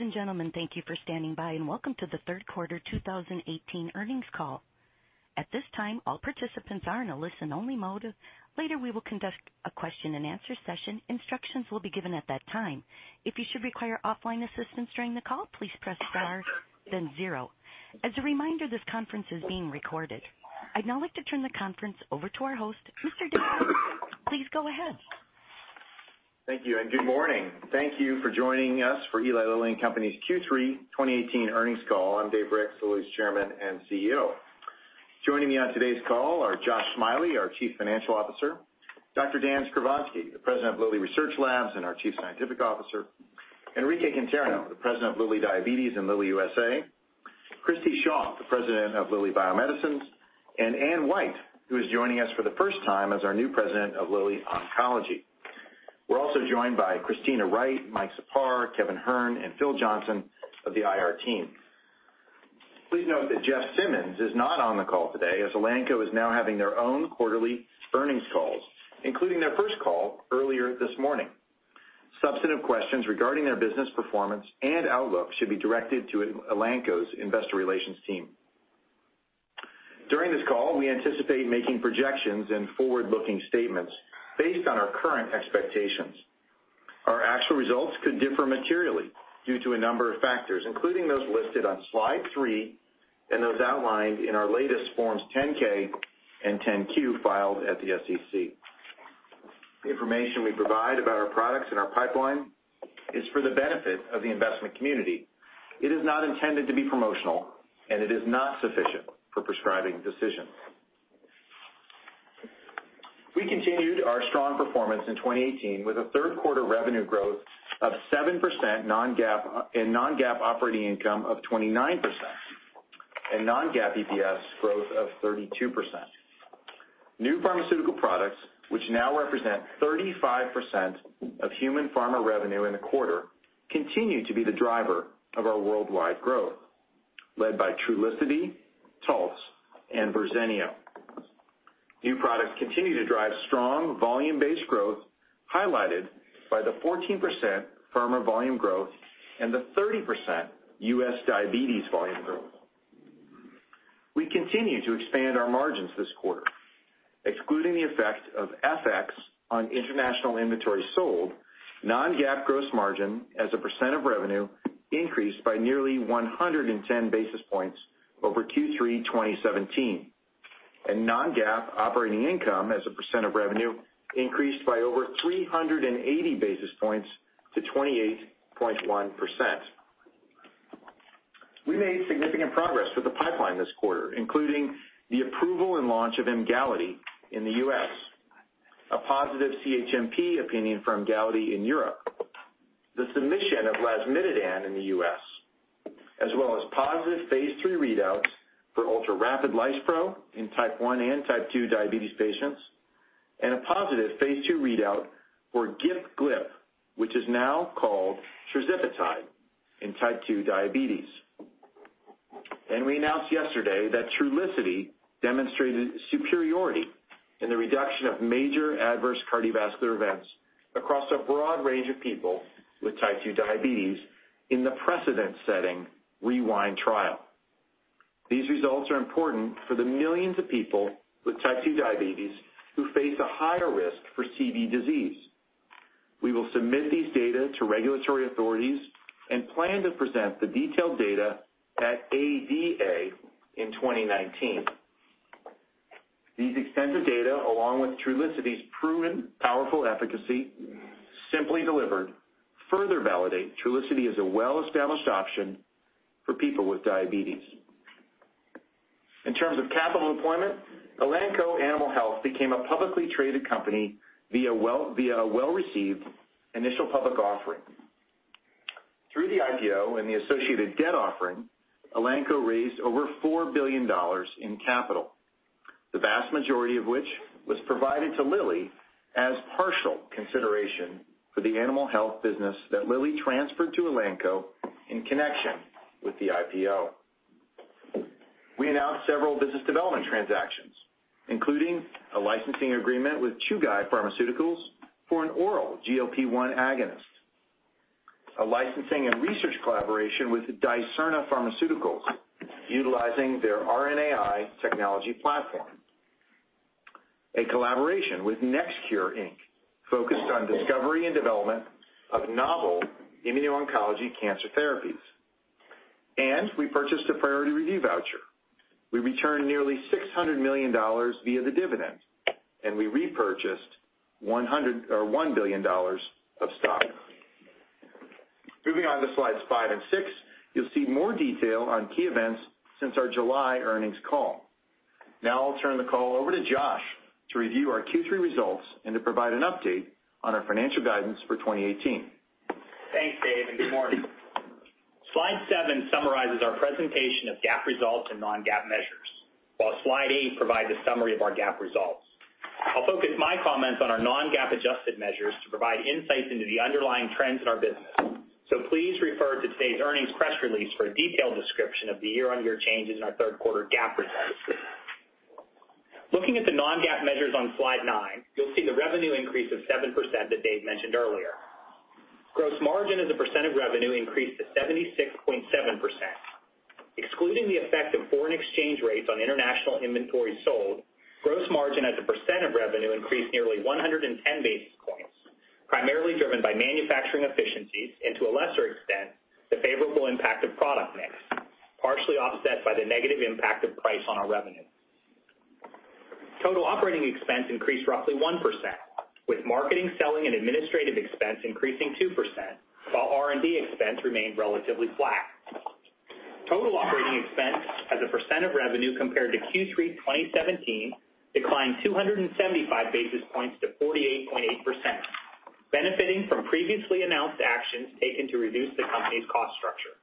Ladies and gentlemen, thank you for standing by. Welcome to the third quarter 2018 earnings call. At this time, all participants are in a listen only mode. Later, we will conduct a question and answer session. Instructions will be given at that time. If you should require offline assistance during the call, please press star then zero. As a reminder, this conference is being recorded. I'd now like to turn the conference over to our host, Mr. David Ricks. Please go ahead. Thank you. Good morning. Thank you for joining us for Eli Lilly and Company's Q3 2018 earnings call. I'm Dave Ricks, Lilly's Chairman and CEO. Joining me on today's call are Josh Smiley, our Chief Financial Officer, Dr. Dan Skovronsky, the President of Lilly Research Labs and our Chief Scientific Officer, Enrique Conterno, the President of Lilly Diabetes and Lilly USA, Christi Shaw, the President of Lilly Bio-Medicines, and Anne White, who is joining us for the first time as our new President of Lilly Oncology. We're also joined by Christina Wright, Mike Sepah, Kevin Hern, and Phil Johnson of the IR team. Please note that Jeff Simmons is not on the call today, as Elanco is now having their own quarterly earnings calls, including their first call earlier this morning. Substantive questions regarding their business performance and outlook should be directed to Elanco's investor relations team. During this call, we anticipate making projections and forward-looking statements based on our current expectations. Our actual results could differ materially due to a number of factors, including those listed on slide three and those outlined in our latest Forms 10-K and 10-Q filed at the SEC. The information we provide about our products and our pipeline is for the benefit of the investment community. It is not intended to be promotional. It is not sufficient for prescribing decisions. We continued our strong performance in 2018 with a third quarter revenue growth of 7% and non-GAAP operating income of 29%, and non-GAAP EPS growth of 32%. New pharmaceutical products, which now represent 35% of human pharma revenue in the quarter, continue to be the driver of our worldwide growth, led by Trulicity, Taltz and Verzenio. New products continue to drive strong volume-based growth, highlighted by the 14% pharma volume growth and the 30% U.S. diabetes volume growth. We continue to expand our margins this quarter. Excluding the effect of FX on international inventory sold, non-GAAP gross margin as a percent of revenue increased by nearly 110 basis points over Q3 2017, and non-GAAP operating income as a percent of revenue increased by over 380 basis points to 28.1%. We made significant progress with the pipeline this quarter, including the approval and launch of Emgality in the U.S., a positive CHMP opinion for Emgality in Europe, the submission of lasmiditan in the U.S., as well as positive phase III readouts for ultrarapid Lispro in type 1 and type 2 diabetes patients, and a positive phase II readout for GIP/GLP, which is now called tirzepatide in type 2 diabetes. We announced yesterday that Trulicity demonstrated superiority in the reduction of major adverse cardiovascular events across a broad range of people with type 2 diabetes in the precedent-setting REWIND trial. These results are important for the millions of people with type 2 diabetes who face a higher risk for CV disease. We will submit these data to regulatory authorities and plan to present the detailed data at ADA in 2019. These extensive data, along with Trulicity's proven powerful efficacy simply delivered, further validate Trulicity as a well-established option for people with diabetes. In terms of capital employment, Elanco Animal Health became a publicly traded company via a well-received initial public offering. Through the IPO and the associated debt offering, Elanco raised over $4 billion in capital, the vast majority of which was provided to Lilly as partial consideration for the animal health business that Lilly transferred to Elanco in connection with the IPO. We announced several business development transactions, including a licensing agreement with Chugai Pharmaceuticals for an oral GLP-1 agonist, a licensing and research collaboration with Dicerna Pharmaceuticals utilizing their RNAi technology platform, a collaboration with NextCure, Inc., focused on discovery and development of novel immuno-oncology cancer therapies. We purchased a priority review voucher. We returned nearly $600 million via the dividend. We repurchased $1 billion of stock. Moving on to slides five and six, you'll see more detail on key events since our July earnings call. Now I'll turn the call over to Josh to review our Q3 results and to provide an update on our financial guidance for 2018. Thanks, Dave, and good morning. Slide seven summarizes our presentation of GAAP results and non-GAAP measures, while slide eight provides a summary of our GAAP results. I'll focus my comments on our non-GAAP adjusted measures to provide insights into the underlying trends in our business. Please refer to today's earnings press release for a detailed description of the year-on-year changes in our third quarter GAAP results. Looking at the non-GAAP measures on Slide nine, you'll see the revenue increase of 7% that Dave mentioned earlier. Gross margin as a percent of revenue increased to 76.7%. Excluding the effect of foreign exchange rates on international inventory sold, gross margin as a percent of revenue increased nearly 110 basis points, primarily driven by manufacturing efficiencies and, to a lesser extent, the favorable impact of product mix, partially offset by the negative impact of price on our revenue. Total operating expense increased roughly 1%, with marketing, selling, and administrative expense increasing 2%, while R&D expense remained relatively flat. Total operating expense as a percent of revenue compared to Q3 2017 declined 275 basis points to 48.8%, benefiting from previously announced actions taken to reduce the company's cost structure.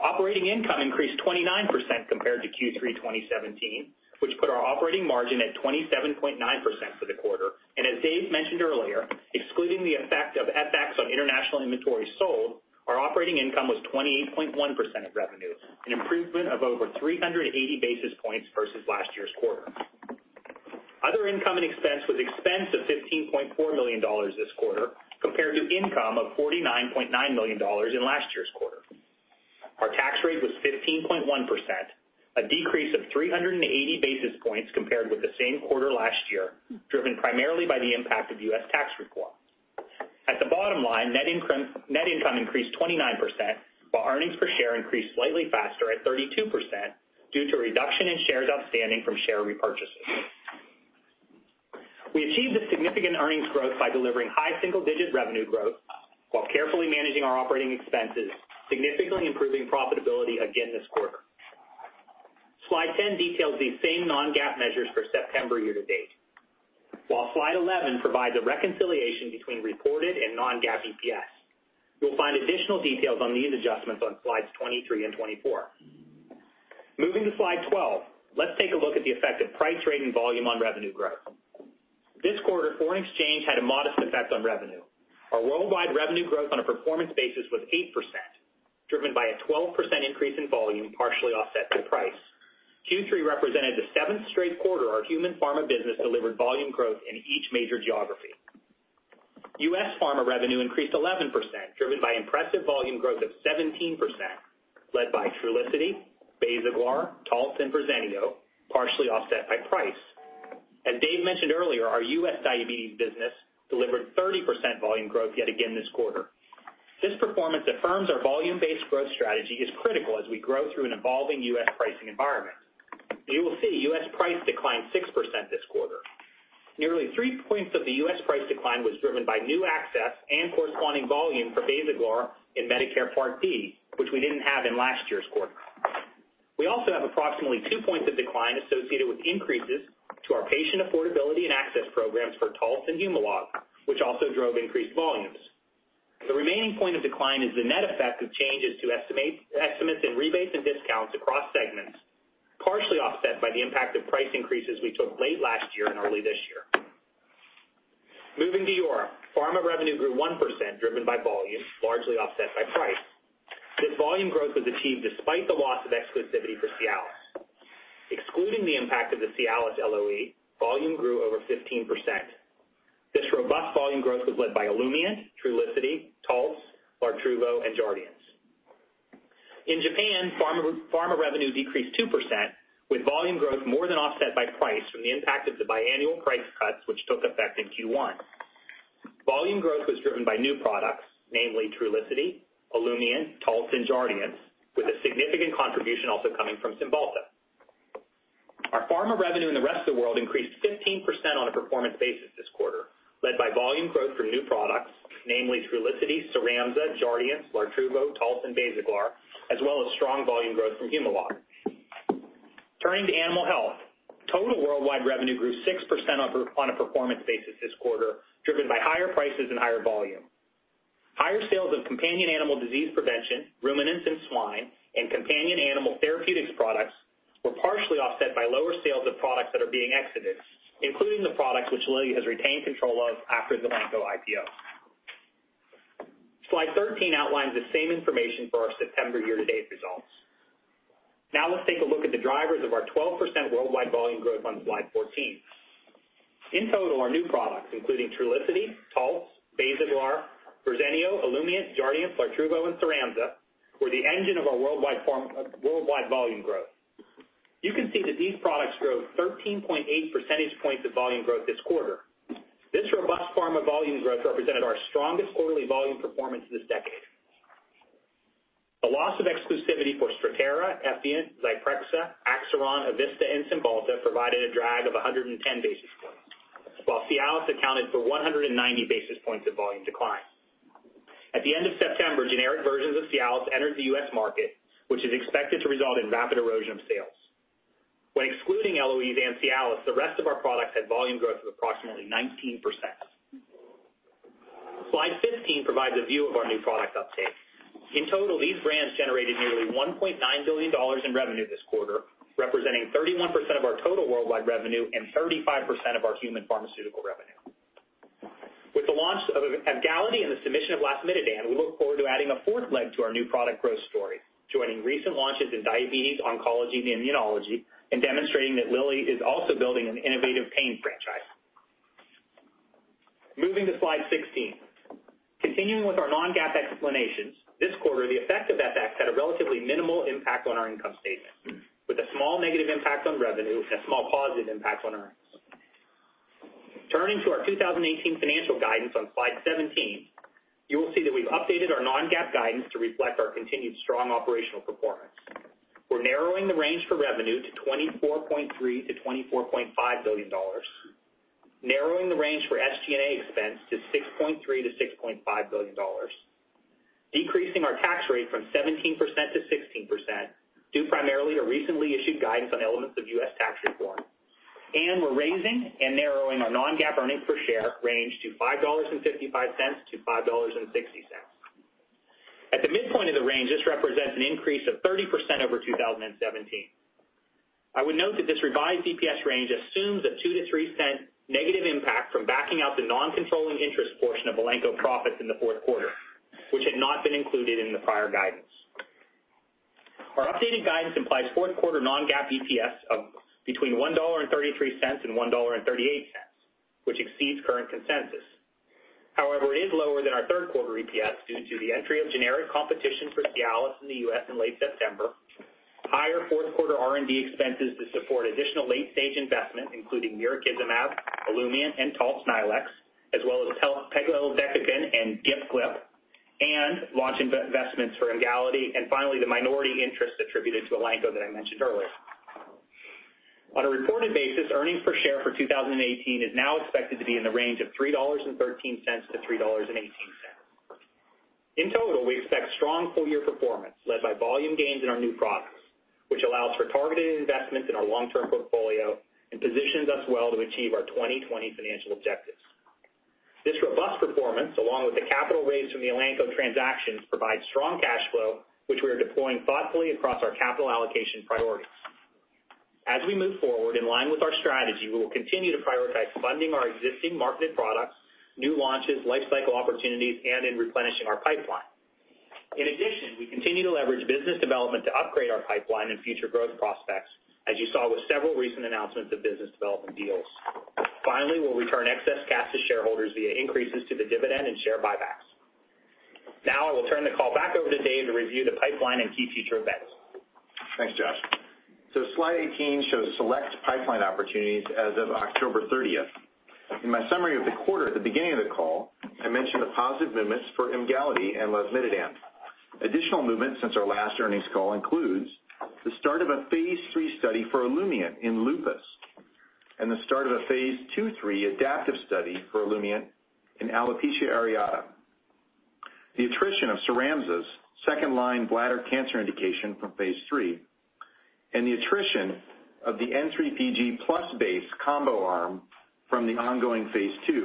Operating income increased 29% compared to Q3 2017, which put our operating margin at 27.9% for the quarter. As Dave mentioned earlier, excluding the effect of FX on international inventory sold, our operating income was 28.1% of revenue, an improvement of over 380 basis points versus last year's quarter. Other income and expense was expense of $15.4 million this quarter, compared to income of $49.9 million in last year's quarter. Our tax rate was 15.1%, a decrease of 380 basis points compared with the same quarter last year, driven primarily by the impact of U.S. tax reform. At the bottom line, net income increased 29%, while earnings per share increased slightly faster at 32% due to a reduction in shares outstanding from share repurchases. We achieved this significant earnings growth by delivering high single-digit revenue growth while carefully managing our operating expenses, significantly improving profitability again this quarter. Slide 10 details these same non-GAAP measures for September year-to-date, while Slide 11 provides a reconciliation between reported and non-GAAP EPS. You'll find additional details on these adjustments on Slides 23 and 24. Moving to Slide 12, let's take a look at the effect of price, rate, and volume on revenue growth. This quarter, foreign exchange had a modest effect on revenue. Our worldwide revenue growth on a performance basis was 8%, driven by a 12% increase in volume, partially offset to price. Q3 represented the seventh straight quarter our human pharma business delivered volume growth in each major geography. U.S. pharma revenue increased 11%, driven by impressive volume growth of 17%, led by Trulicity, BASAGLAR, Taltz, and Verzenio, partially offset by price. As Dave mentioned earlier, our U.S. Diabetes business delivered 30% volume growth yet again this quarter. This performance affirms our volume-based growth strategy is critical as we grow through an evolving U.S. pricing environment. You will see U.S. price declined 6% this quarter. Nearly three points of the U.S. price decline was driven by new access and corresponding volume for BASAGLAR in Medicare Part D, which we didn't have in last year's quarter. We also have approximately two points of decline associated with increases to our patient affordability and access programs for Taltz and Humalog, which also drove increased volumes. The remaining point of decline is the net effect of changes to estimates in rebates and discounts across segments, partially offset by the impact of price increases we took late last year and early this year. Moving to Europe, pharma revenue grew 1%, driven by volume, largely offset by price. This volume growth was achieved despite the loss of exclusivity for CIALIS. Excluding the impact of the CIALIS LOE, volume grew over 15%. This robust volume growth was led by Olumiant, Trulicity, Taltz, LARTRUVO, and JARDIANCE. In Japan, pharma revenue decreased 2%, with volume growth more than offset by price from the impact of the biannual price cuts, which took effect in Q1. Volume growth was driven by new products, namely Trulicity, Olumiant, Taltz, and JARDIANCE, with a significant contribution also coming from Cymbalta. Our pharma revenue in the rest of the world increased 15% on a performance basis this quarter, led by volume growth from new products, namely Trulicity, CYRAMZA, Jardiance, LARTRUVO, Taltz, and BASAGLAR, as well as strong volume growth from Humalog. Turning to animal health, total worldwide revenue grew 6% on a performance basis this quarter, driven by higher prices and higher volume. Higher sales of companion animal disease prevention, ruminants and swine, and companion animal therapeutics products were partially offset by lower sales of products that are being exited, including the products which Lilly has retained control of after the Elanco IPO. Slide 13 outlines the same information for our September year-to-date results. Now let's take a look at the drivers of our 12% worldwide volume growth on Slide 14. In total, our new products, including Trulicity, Taltz, BASAGLAR, Verzenio, Olumiant, JARDIANCE, LARTRUVO, and CYRAMZA, were the engine of our worldwide volume growth. You can see that these products drove 13.8 percentage points of volume growth this quarter. This robust pharma volume growth represented our strongest quarterly volume performance this decade. The loss of exclusivity for STRATTERA, Effient, Zyprexa, Axiron, EVISTA, and Cymbalta provided a drag of 110 basis points, while CIALIS accounted for 190 basis points of volume decline. At the end of September, generic versions of CIALIS entered the U.S. market, which is expected to result in rapid erosion of sales. When excluding LOEs and CIALIS, the rest of our products had volume growth of approximately 19%. Slide 15 provides a view of our new product uptake. In total, these brands generated nearly $1.9 billion in revenue this quarter, representing 31% of our total worldwide revenue and 35% of our human pharmaceutical revenue. With the launch of EMGALITY and the submission of lasmiditan, we look forward to adding a fourth leg to our new product growth story, joining recent launches in diabetes, oncology, and immunology, and demonstrating that Lilly is also building an innovative pain franchise. Moving to slide 16. Continuing with our non-GAAP explanations, this quarter, the effect of FX had a relatively minimal impact on our income statement, with a small negative impact on revenue and a small positive impact on earnings. Turning to our 2018 financial guidance on slide 17, you will see that we've updated our non-GAAP guidance to reflect our continued strong operational performance. We're narrowing the range for revenue to $24.3 billion-$24.5 billion, narrowing the range for SG&A expense to $6.3 billion-$6.5 billion, decreasing our tax rate from 17%-16%, due primarily to recently issued guidance on elements of U.S. tax reform. We're raising and narrowing our non-GAAP earnings per share range to $5.55-$5.60. At the midpoint of the range, this represents an increase of 30% over 2017. I would note that this revised EPS range assumes a $0.02-$0.03 negative impact from backing out the non-controlling interest portion of Elanco profits in the fourth quarter, which had not been included in the prior guidance. Our updated guidance implies fourth quarter non-GAAP EPS of between $1.33 and $1.38, which exceeds current consensus. However, it is lower than our third quarter EPS due to the entry of generic competition for CIALIS in the U.S. in late September, higher fourth quarter R&D expenses to support additional late-stage investment, including mirikizumab, Olumiant, and Taltz, as well as pegilodecakin and GIP/GLP, and launch investments for EMGALITY, and finally, the minority interest attributed to Elanco that I mentioned earlier. On a reported basis, earnings per share for 2018 is now expected to be in the range of $3.13-$3.18. In total, we expect strong full-year performance led by volume gains in our new products, which allows for targeted investments in our long-term portfolio and positions us well to achieve our 2020 financial objectives. This robust performance, along with the capital raised from the Elanco transactions, provides strong cash flow, which we are deploying thoughtfully across our capital allocation priorities. As we move forward in line with our strategy, we will continue to prioritize funding our existing marketed products, new launches, life cycle opportunities, and in replenishing our pipeline. In addition, we continue to leverage business development to upgrade our pipeline and future growth prospects, as you saw with several recent announcements of business development deals. Finally, we will return excess cash to shareholders via increases to the dividend and share buybacks. Now I will turn the call back over to Dave to review the pipeline and key future events. Thanks, Josh. Slide 18 shows select pipeline opportunities as of October 30th. In my summary of the quarter at the beginning of the call, I mentioned the positive movements for EMGALITY and lasmiditan. Additional movement since our last earnings call includes the start of a phase III study for Olumiant in lupus and the start of a phase II/III adaptive study for Olumiant in alopecia areata, the attrition of CYRAMZA's second-line bladder cancer indication from phase III, and the attrition of the N3pG+ BACE combo arm from the ongoing phase II.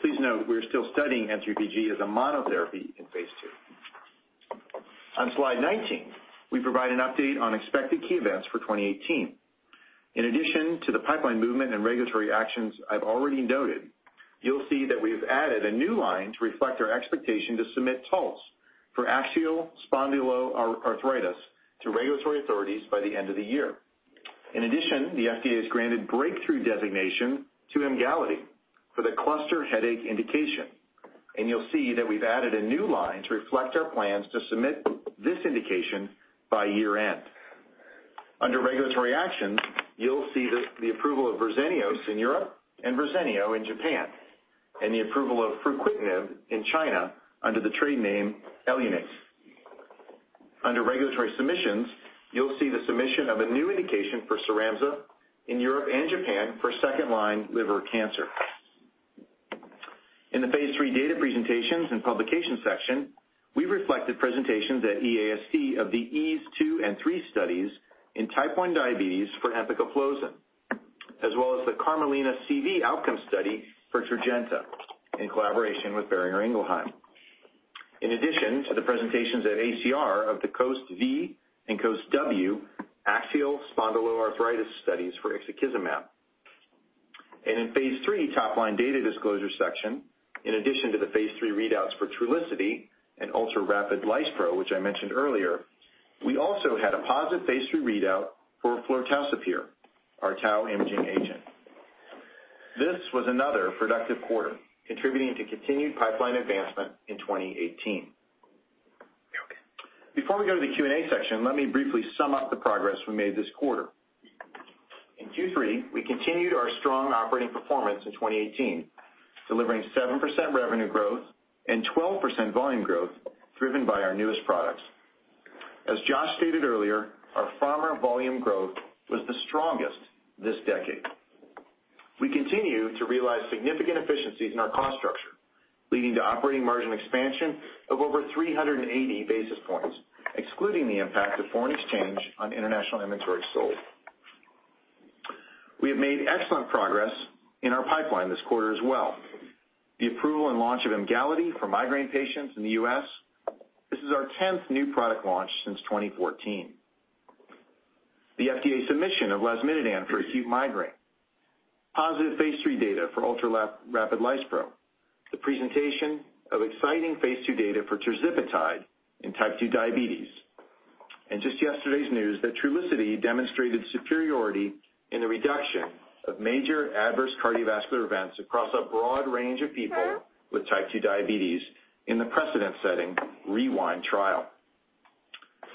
Please note, we are still studying N3pG as a monotherapy in phase II. On slide 19, we provide an update on expected key events for 2018. In addition to the pipeline movement and regulatory actions I have already noted, you will see that we have added a new line to reflect our expectation to submit Taltz for axial spondyloarthritis to regulatory authorities by the end of the year. In addition, the FDA has granted breakthrough designation to EMGALITY for the cluster headache indication, and you will see that we have added a new line to reflect our plans to submit this indication by year-end. Under regulatory actions, you will see the approval of Verzenio in Europe and Verzenio in Japan, and the approval of fruquintinib in China under the trade name Elunate. Under regulatory submissions, you will see the submission of a new indication for CYRAMZA in Europe and Japan for second-line liver cancer. In the phase III data presentations and publication section, we reflected presentations at EASD of the EASE 2 and 3 studies in type 1 diabetes for empagliflozin, as well as the CARMELINA CV outcome study for Tradjenta in collaboration with Boehringer Ingelheim. In addition to the presentations at ACR of the COAST-V and COAST-W axial spondyloarthritis studies for ixekizumab. In phase III top-line data disclosure section, in addition to the phase III readouts for Trulicity and ultrarapid Lispro, which I mentioned earlier, we also had a positive phase III readout for flortaucipir, our tau imaging agent. This was another productive quarter, contributing to continued pipeline advancement in 2018. Before we go to the Q&A section, let me briefly sum up the progress we made this quarter. In Q3, we continued our strong operating performance in 2018, delivering 7% revenue growth and 12% volume growth driven by our newest products. As Josh stated earlier, our pharma volume growth was the strongest this decade. We continue to realize significant efficiencies in our cost structure, leading to operating margin expansion of over 380 basis points, excluding the impact of foreign exchange on international inventory sold. We have made excellent progress in our pipeline this quarter as well. The approval and launch of EMGALITY for migraine patients in the U.S., this is our 10th new product launch since 2014. The FDA submission of lasmiditan for acute migraine. Positive phase III data for ultrarapid Lispro. The presentation of exciting phase II data for tirzepatide in type 2 diabetes. Just yesterday's news that Trulicity demonstrated superiority in the reduction of major adverse cardiovascular events across a broad range of people with type 2 diabetes in the precedent-setting REWIND trial.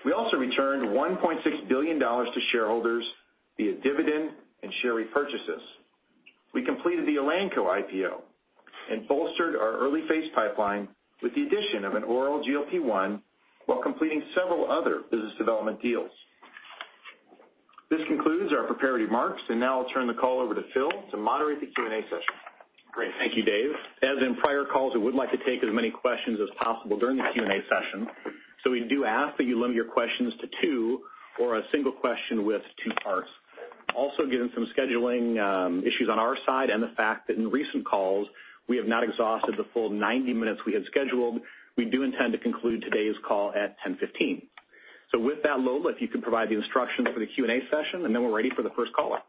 We also returned $1.6 billion to shareholders via dividend and share repurchases. We completed the Elanco IPO and bolstered our early phase pipeline with the addition of an oral GLP-1 while completing several other business development deals. This concludes our prepared remarks, and now I'll turn the call over to Phil to moderate the Q&A session. Great. Thank you, Dave. As in prior calls, we would like to take as many questions as possible during the Q&A session. We do ask that you limit your questions to two, or a single question with two parts. Given some scheduling issues on our side and the fact that in recent calls we have not exhausted the full 90 minutes we had scheduled, we do intend to conclude today's call at 10:15 A.M. With that, Lola, if you could provide the instructions for the Q&A session, then we're ready for the first caller.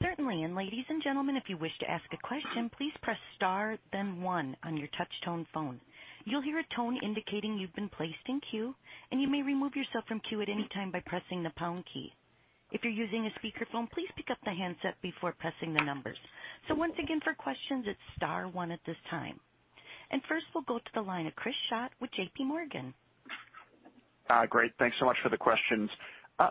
Certainly. Ladies and gentlemen, if you wish to ask a question, please press star then one on your touch tone phone. You'll hear a tone indicating you've been placed in queue, and you may remove yourself from queue at any time by pressing the pound key. If you're using a speakerphone, please pick up the handset before pressing the numbers. Once again, for questions, it's star one at this time. First we'll go to the line of Chris Schott with JPMorgan. Great. Thanks so much for the questions.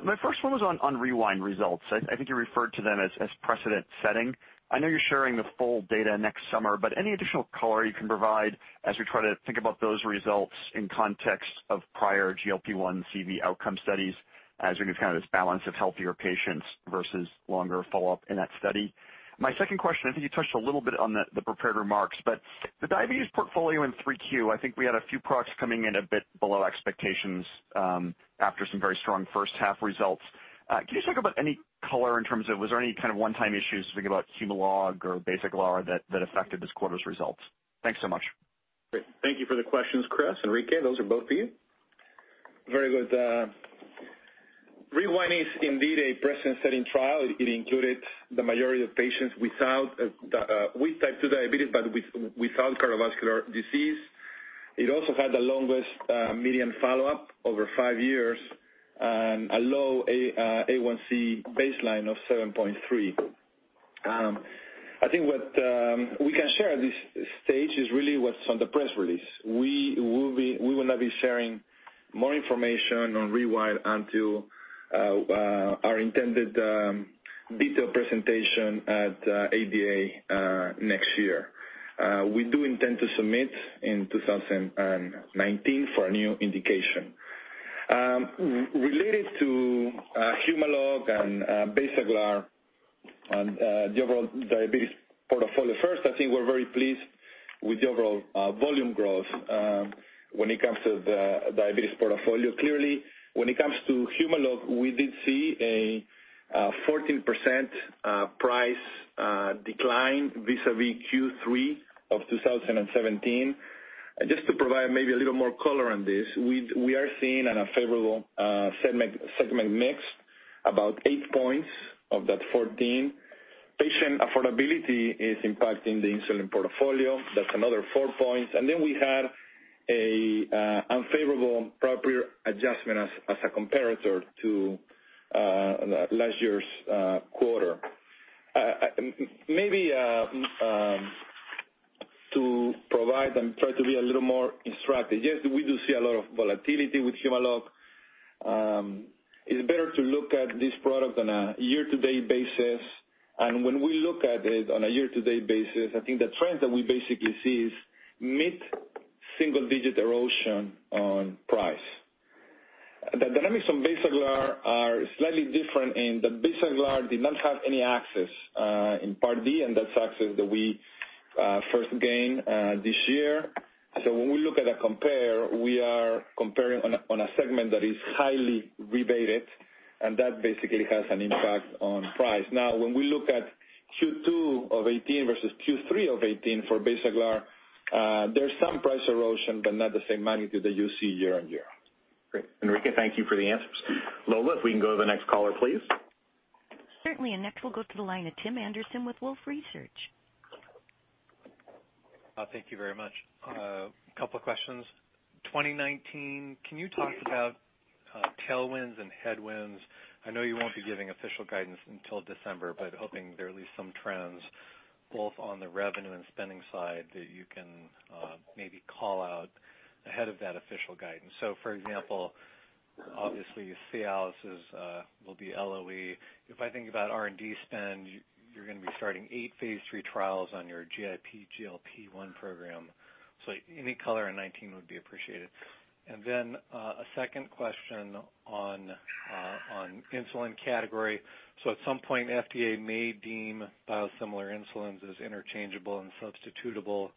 My first one was on REWIND results. I think you referred to them as precedent setting. I know you're sharing the full data next summer, any additional color you can provide as we try to think about those results in context of prior GLP-1 CV outcome studies, as you get this balance of healthier patients versus longer follow-up in that study? My second question, I think you touched a little bit on the prepared remarks, the diabetes portfolio in 3Q, I think we had a few products coming in a bit below expectations after some very strong first half results. Can you talk about any color in terms of, was there any kind of one-time issues if you think about Humalog or BASAGLAR that affected this quarter's results? Thanks so much. Great. Thank you for the questions, Chris. Enrique, those are both for you. Very good. REWIND is indeed a precedent-setting trial. It included the majority of patients with type 2 diabetes, without cardiovascular disease. It also had the longest median follow-up over five years and a low A1C baseline of 7.3. I think what we can share at this stage is really what's on the press release. We will not be sharing more information on REWIND until our intended detailed presentation at ADA next year. We do intend to submit in 2019 for a new indication. Related to Humalog and BASAGLAR and the overall diabetes portfolio. First, I think we're very pleased with the overall volume growth when it comes to the diabetes portfolio. When it comes to Humalog, we did see a 14% price decline vis-a-vis Q3 of 2017. Just to provide maybe a little more color on this, we are seeing an unfavorable segment mix, about eight points of that 14. Patient affordability is impacting the insulin portfolio. That's another four points. We had an unfavorable proper adjustment as a comparator to last year's quarter. Maybe to provide and try to be a little more instructive. Yes, we do see a lot of volatility with Humalog. It's better to look at this product on a year-to-date basis. When we look at it on a year-to-date basis, I think the trend that we basically see is mid-single digit erosion on price. The dynamics on BASAGLAR are slightly different in that BASAGLAR did not have any access in Medicare Part D, and that's access that we first gained this year. When we look at a compare, we are comparing on a segment that is highly rebated, and that basically has an impact on price. Now, when we look at Q2 of 2018 versus Q3 of 2018 for BASAGLAR, there's some price erosion, but not the same magnitude that you see year-over-year. Great. Enrique, thank you for the answers. Lola, if we can go to the next caller, please. Certainly. Next we'll go to the line of Tim Anderson with Wolfe Research. Thank you very much. A couple of questions. 2019, can you talk about tailwinds and headwinds? Hoping there are at least some trends both on the revenue and spending side that you can maybe call out ahead of that official guidance. For example, obviously CIALIS will be LOE. If I think about R&D spend, you're going to be starting 8 phase III trials on your GIP, GLP-1 program. Any color on 2019 would be appreciated. A second question on insulin category. At some point, FDA may deem biosimilar insulins as interchangeable and substitutable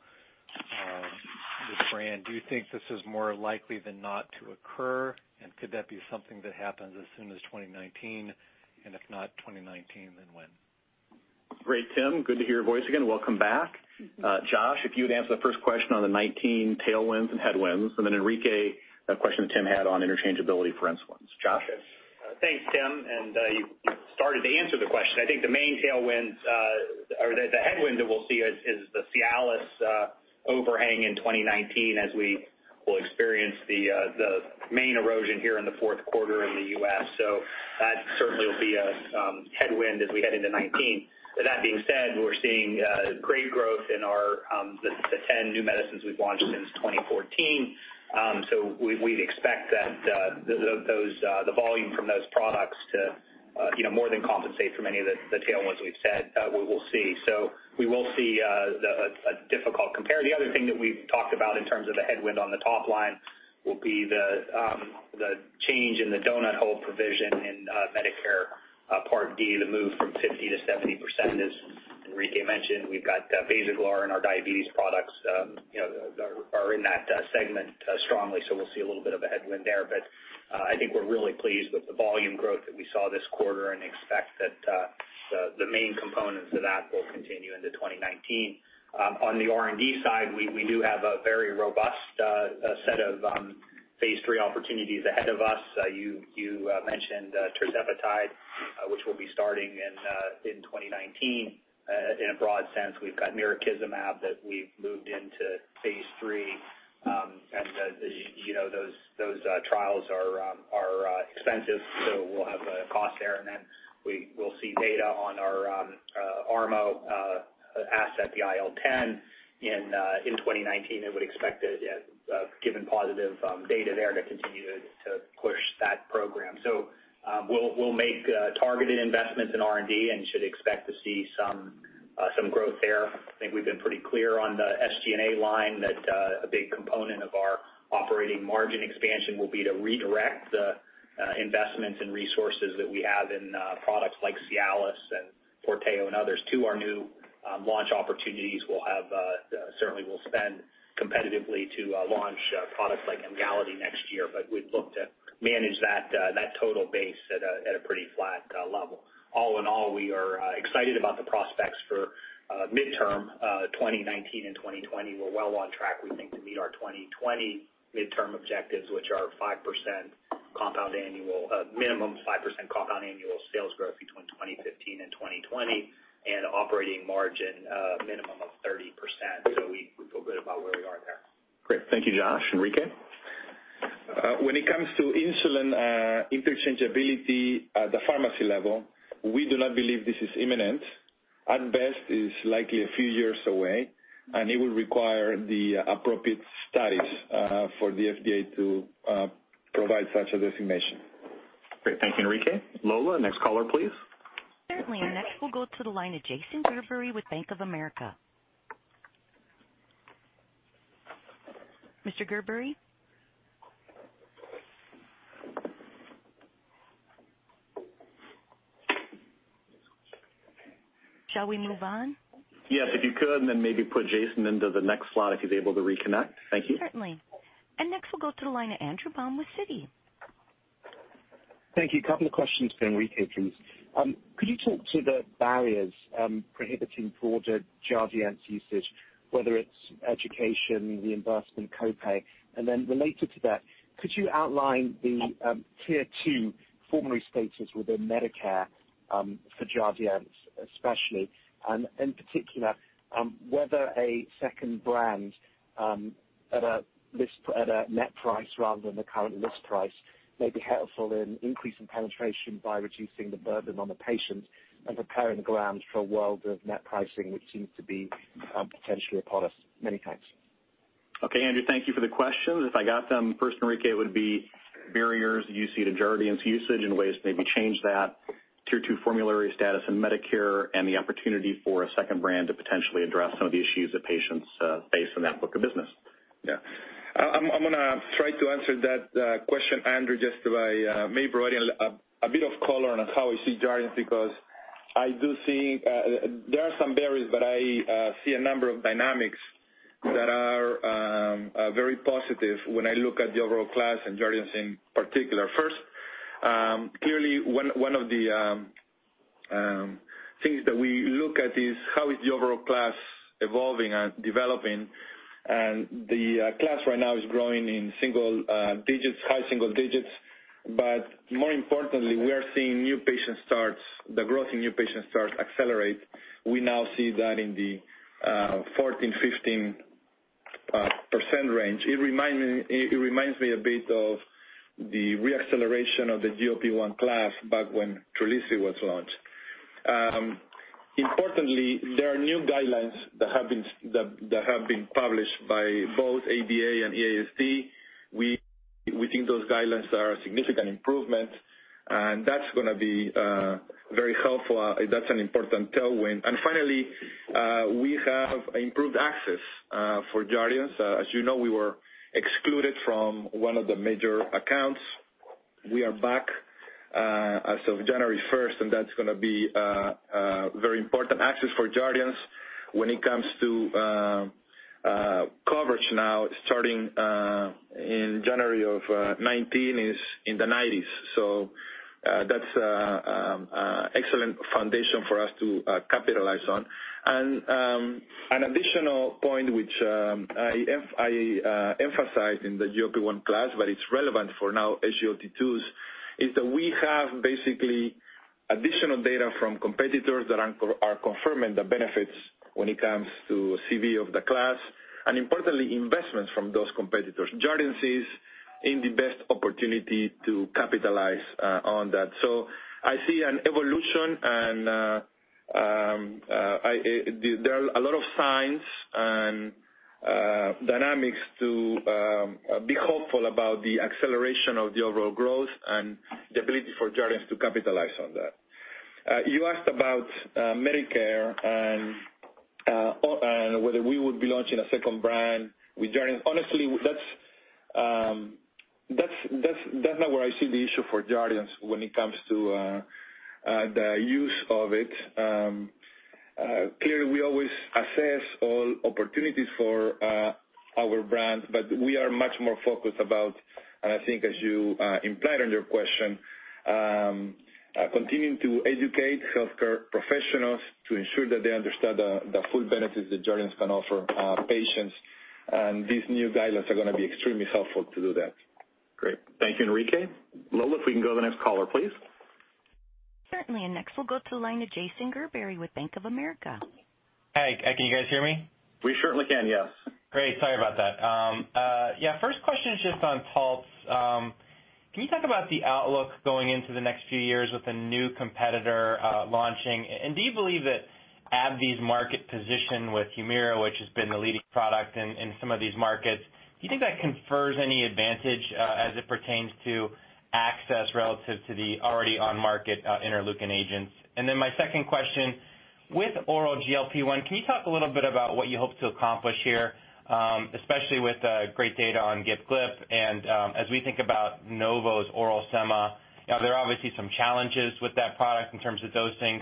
with brand. Do you think this is more likely than not to occur? Could that be something that happens as soon as 2019? If not 2019, then when? Great, Tim. Good to hear your voice again. Welcome back. Josh, if you would answer the first question on the 2019 tailwinds and headwinds, and then Enrique, that question that Tim had on interchangeability for insulins. Josh? Thanks, Tim, you started to answer the question. I think the main tailwind or the headwind that we'll see is the CIALIS overhang in 2019, as we will experience the main erosion here in the fourth quarter in the U.S. That certainly will be a headwind as we head into 2019. That being said, we're seeing great growth in the 10 new medicines we've launched since 2014. We'd expect that the volume from those products to more than compensate for many of the tailwinds we've said we will see. We will see a difficult compare. The other thing that we've talked about in terms of the headwind on the top line will be the change in the donut hole provision in Medicare Part D to move from 50% to 70%, as Enrique mentioned. We've got BASAGLAR and our diabetes products are in that segment strongly, so we'll see a little bit of a headwind there. I think we're really pleased with the volume growth that we saw this quarter and expect that the main components of that will continue into 2019. On the R&D side, we do have a very robust set of phase III opportunities ahead of us. You mentioned tirzepatide, which will be starting in 2019. In a broad sense, we've got mirikizumab that we've moved into phase III. Those trials are expensive, so we'll have a cost there. We will see data on our ARMO asset, the IL-10, in 2019, and would expect it, given positive data there, to continue to push that program. We'll make targeted investments in R&D and should expect to see some growth there. I think we've been pretty clear on the SG&A line that a big component of our operating margin expansion will be to redirect the investments and resources that we have in products like CIALIS and FORTEO and others to our new launch opportunities. We certainly will spend competitively to launch products like EMGALITY next year, but we'd look to manage that total base at a pretty flat level. All in all, we are excited about the prospects for midterm 2019 and 2020. We're well on track, we think, to meet our 2020 midterm objectives, which are a minimum 5% compound annual sales growth between 2015 and 2020, and operating margin minimum of 30%. We feel good about where we are there. Great. Thank you, Josh. Enrique? When it comes to insulin interchangeability at the pharmacy level, we do not believe this is imminent. At best, it's likely a few years away, and it will require the appropriate studies for the FDA to provide such a designation. Great. Thank you, Enrique. Lola, next caller, please. Certainly. We'll go to the line of Jason Gerberry with Bank of America. Mr. Gerberry? Shall we move on? Yes, if you could. Maybe put Jason into the next slot if he's able to reconnect. Thank you. Certainly. We'll go to the line of Andrew Baum with Citi. Thank you. A couple of questions for Enrique, please. Could you talk to the barriers prohibiting broader JARDIANCE usage, whether it's education, reimbursement, copay? Related to that, could you outline the Tier 2 formulary status within Medicare for JARDIANCE especially, and in particular, whether a second brand at a net price rather than the current list price may be helpful in increasing penetration by reducing the burden on the patient and preparing the ground for a world of net pricing, which seems to be potentially upon us. Many thanks. Okay. Andrew, thank you for the questions. If I got them, first, Enrique, would be barriers that you see to JARDIANCE usage and ways to maybe change that Tier 2 formulary status in Medicare and the opportunity for a second brand to potentially address some of the issues that patients face in that book of business. Yeah. I'm going to try to answer that question, Andrew, just by maybe providing a bit of color on how I see JARDIANCE, because there are some barriers, I see a number of dynamics that are very positive when I look at the overall class and JARDIANCE in particular. First, clearly, one of the things that we look at is how is the overall class evolving and developing, the class right now is growing in high single digits. More importantly, we are seeing the growth in new patient starts accelerate. We now see that in the 14%-15% range. It reminds me a bit of the re-acceleration of the GLP-1 class back when Trulicity was launched. Importantly, there are new guidelines that have been published by both ADA and EASD. We think those guidelines are a significant improvement, that's going to be very helpful. That's an important tailwind. Finally, we have improved access for JARDIANCE. As you know, we were excluded from one of the major accounts. We are back as of January 1st, that's going to be a very important access for JARDIANCE when it comes to Coverage now starting in January of 2019 is in the 90s. That's excellent foundation for us to capitalize on. An additional point which I emphasized in the GLP-1 class, but it's relevant for now, SGLT2s, is that we have basically additional data from competitors that are confirming the benefits when it comes to CV of the class, importantly, investments from those competitors. JARDIANCE is in the best opportunity to capitalize on that. I see an evolution, there are a lot of signs and dynamics to be hopeful about the acceleration of the overall growth and the ability for JARDIANCE to capitalize on that. You asked about Medicare and whether we would be launching a second brand with JARDIANCE. Honestly, that's not where I see the issue for JARDIANCE when it comes to the use of it. Clearly, we always assess all opportunities for our brand, but we are much more focused about, and I think as you implied in your question, continuing to educate healthcare professionals to ensure that they understand the full benefits that JARDIANCE can offer patients. These new guidelines are going to be extremely helpful to do that. Great. Thank you, Enrique. Lola, if we can go to the next caller, please. Certainly. Next we'll go to the line of Jason Gerberry with Bank of America. Hi. Can you guys hear me? We certainly can, yes. Great. Sorry about that. First question is just on Taltz. Can you talk about the outlook going into the next few years with a new competitor launching? Do you believe that AbbVie's market position with Humira, which has been the leading product in some of these markets, do you think that confers any advantage as it pertains to access relative to the already on-market interleukin agents? My second question, with oral GLP-1, can you talk a little bit about what you hope to accomplish here, especially with the great data on GIP/GLP? As we think about Novo's oral SEMA, there are obviously some challenges with that product in terms of dosing.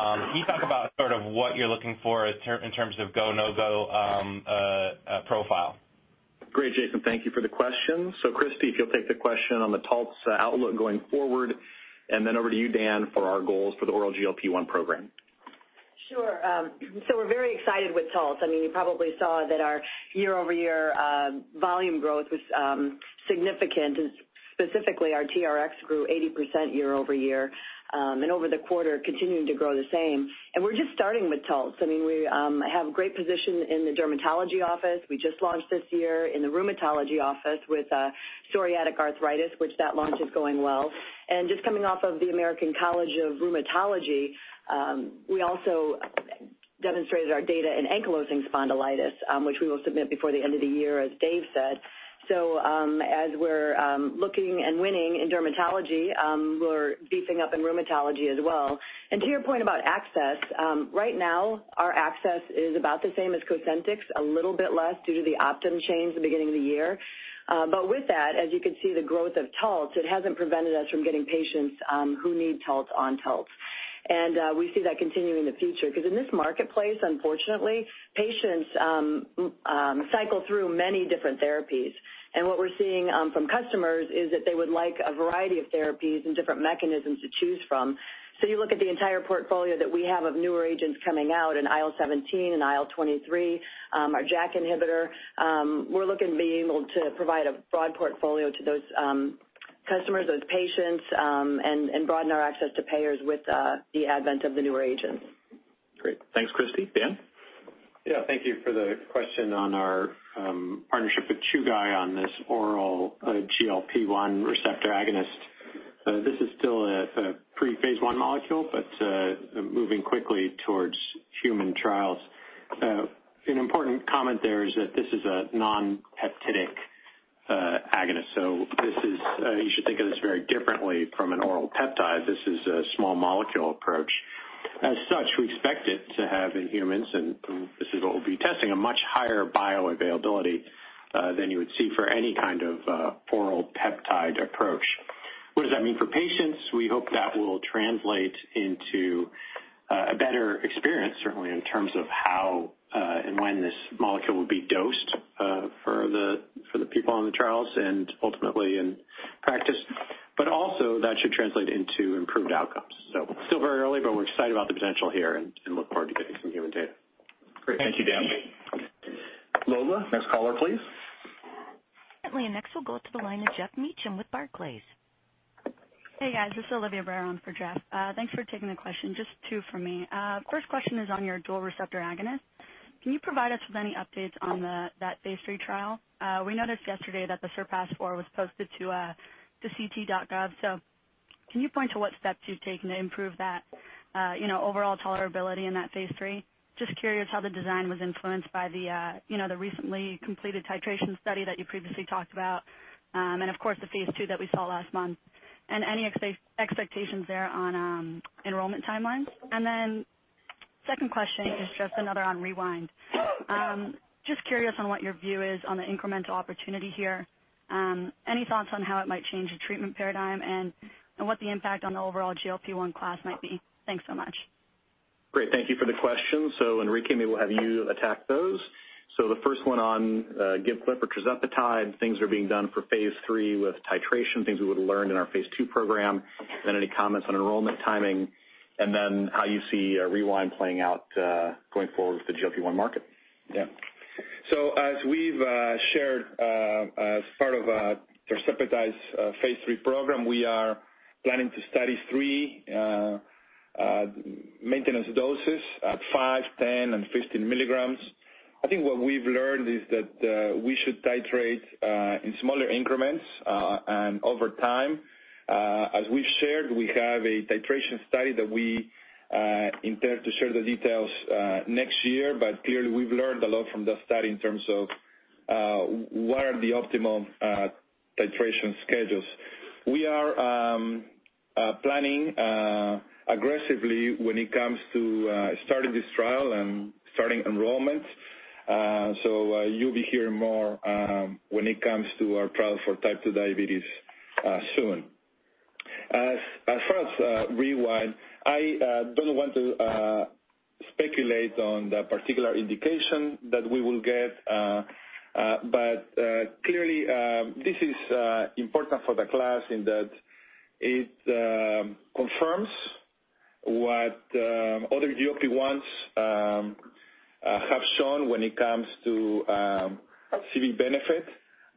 Can you talk about sort of what you're looking for in terms of go, no-go profile? Great, Jason. Thank you for the question. Christi, if you'll take the question on the Taltz outlook going forward, and then over to you, Dan, for our goals for the oral GLP-1 program. Sure. We're very excited with Taltz. You probably saw that our year-over-year volume growth was significant, and specifically our TRx grew 80% year-over-year, and over the quarter continuing to grow the same. We're just starting with Taltz. We have great position in the dermatology office. We just launched this year in the rheumatology office with psoriatic arthritis, which that launch is going well. Just coming off of the American College of Rheumatology, we also demonstrated our data in ankylosing spondylitis, which we will submit before the end of the year, as Dave said. As we're looking and winning in dermatology, we're beefing up in rheumatology as well. To your point about access, right now our access is about the same as Cosentyx, a little bit less due to the Optum chains the beginning of the year. With that, as you can see the growth of Taltz, it hasn't prevented us from getting patients who need Taltz on Taltz. We see that continuing in the future because in this marketplace, unfortunately, patients cycle through many different therapies. What we're seeing from customers is that they would like a variety of therapies and different mechanisms to choose from. You look at the entire portfolio that we have of newer agents coming out in IL-17 and IL-23, our JAK inhibitor, we're looking to be able to provide a broad portfolio to those customers, those patients, and broaden our access to payers with the advent of the newer agents. Great. Thanks, Christi. Dan? Thank you for the question on our partnership with Chugai Pharmaceutical on this oral GLP-1 receptor agonist. This is still a pre-phase I molecule, but moving quickly towards human trials. An important comment there is that this is a non-peptidic agonist. You should think of this very differently from an oral peptide. This is a small molecule approach. As such, we expect it to have in humans, and this is what we'll be testing, a much higher bioavailability than you would see for any kind of oral peptide approach. What does that mean for patients? We hope that will translate into a better experience, certainly in terms of how and when this molecule will be dosed for the people on the trials and ultimately in practice. Also that should translate into improved outcomes. Still very early, but we're excited about the potential here and look forward to getting some human data. Great. Thank you, Dan. Lola, next caller, please. Certainly. Next, we'll go to the line of Geoff Meacham with Barclays. Hey, guys, this is Olivia Vickers for Geoff. Thanks for taking the question. Just two for me. First question is on your dual receptor agonist. Can you provide us with any updates on that phase III trial? We noticed yesterday that the SURPASS-4 was posted to ClinicalTrials.gov. Can you point to what steps you've taken to improve that overall tolerability in that phase III? Just curious how the design was influenced by the recently completed titration study that you previously talked about, and of course, the phase II that we saw last month. Any expectations there on enrollment timelines? Second question is just another on REWIND. Just curious on what your view is on the incremental opportunity here? Any thoughts on how it might change the treatment paradigm and what the impact on the overall GLP-1 class might be? Thanks so much. Great. Thank you for the question. Enrique, maybe we'll have you attack those. The first one on tirzepatide, things are being done for phase III with titration, things we would've learned in our phase II program. Any comments on enrollment timing, how you see REWIND playing out, going forward with the GLP-1 market. As we've shared, as part of tirzepatide's phase III program, we are planning to study three maintenance doses at 5, 10 and 15 milligrams. I think what we've learned is that we should titrate in smaller increments. Over time, as we've shared, we have a titration study that we intend to share the details next year. Clearly we've learned a lot from that study in terms of what are the optimum titration schedules. We are planning aggressively when it comes to starting this trial and starting enrollment. You'll be hearing more, when it comes to our trial for type 2 diabetes soon. As far as REWIND, I don't want to speculate on the particular indication that we will get. Clearly, this is important for the class in that it confirms what other GLP-1s have shown when it comes to CV benefit.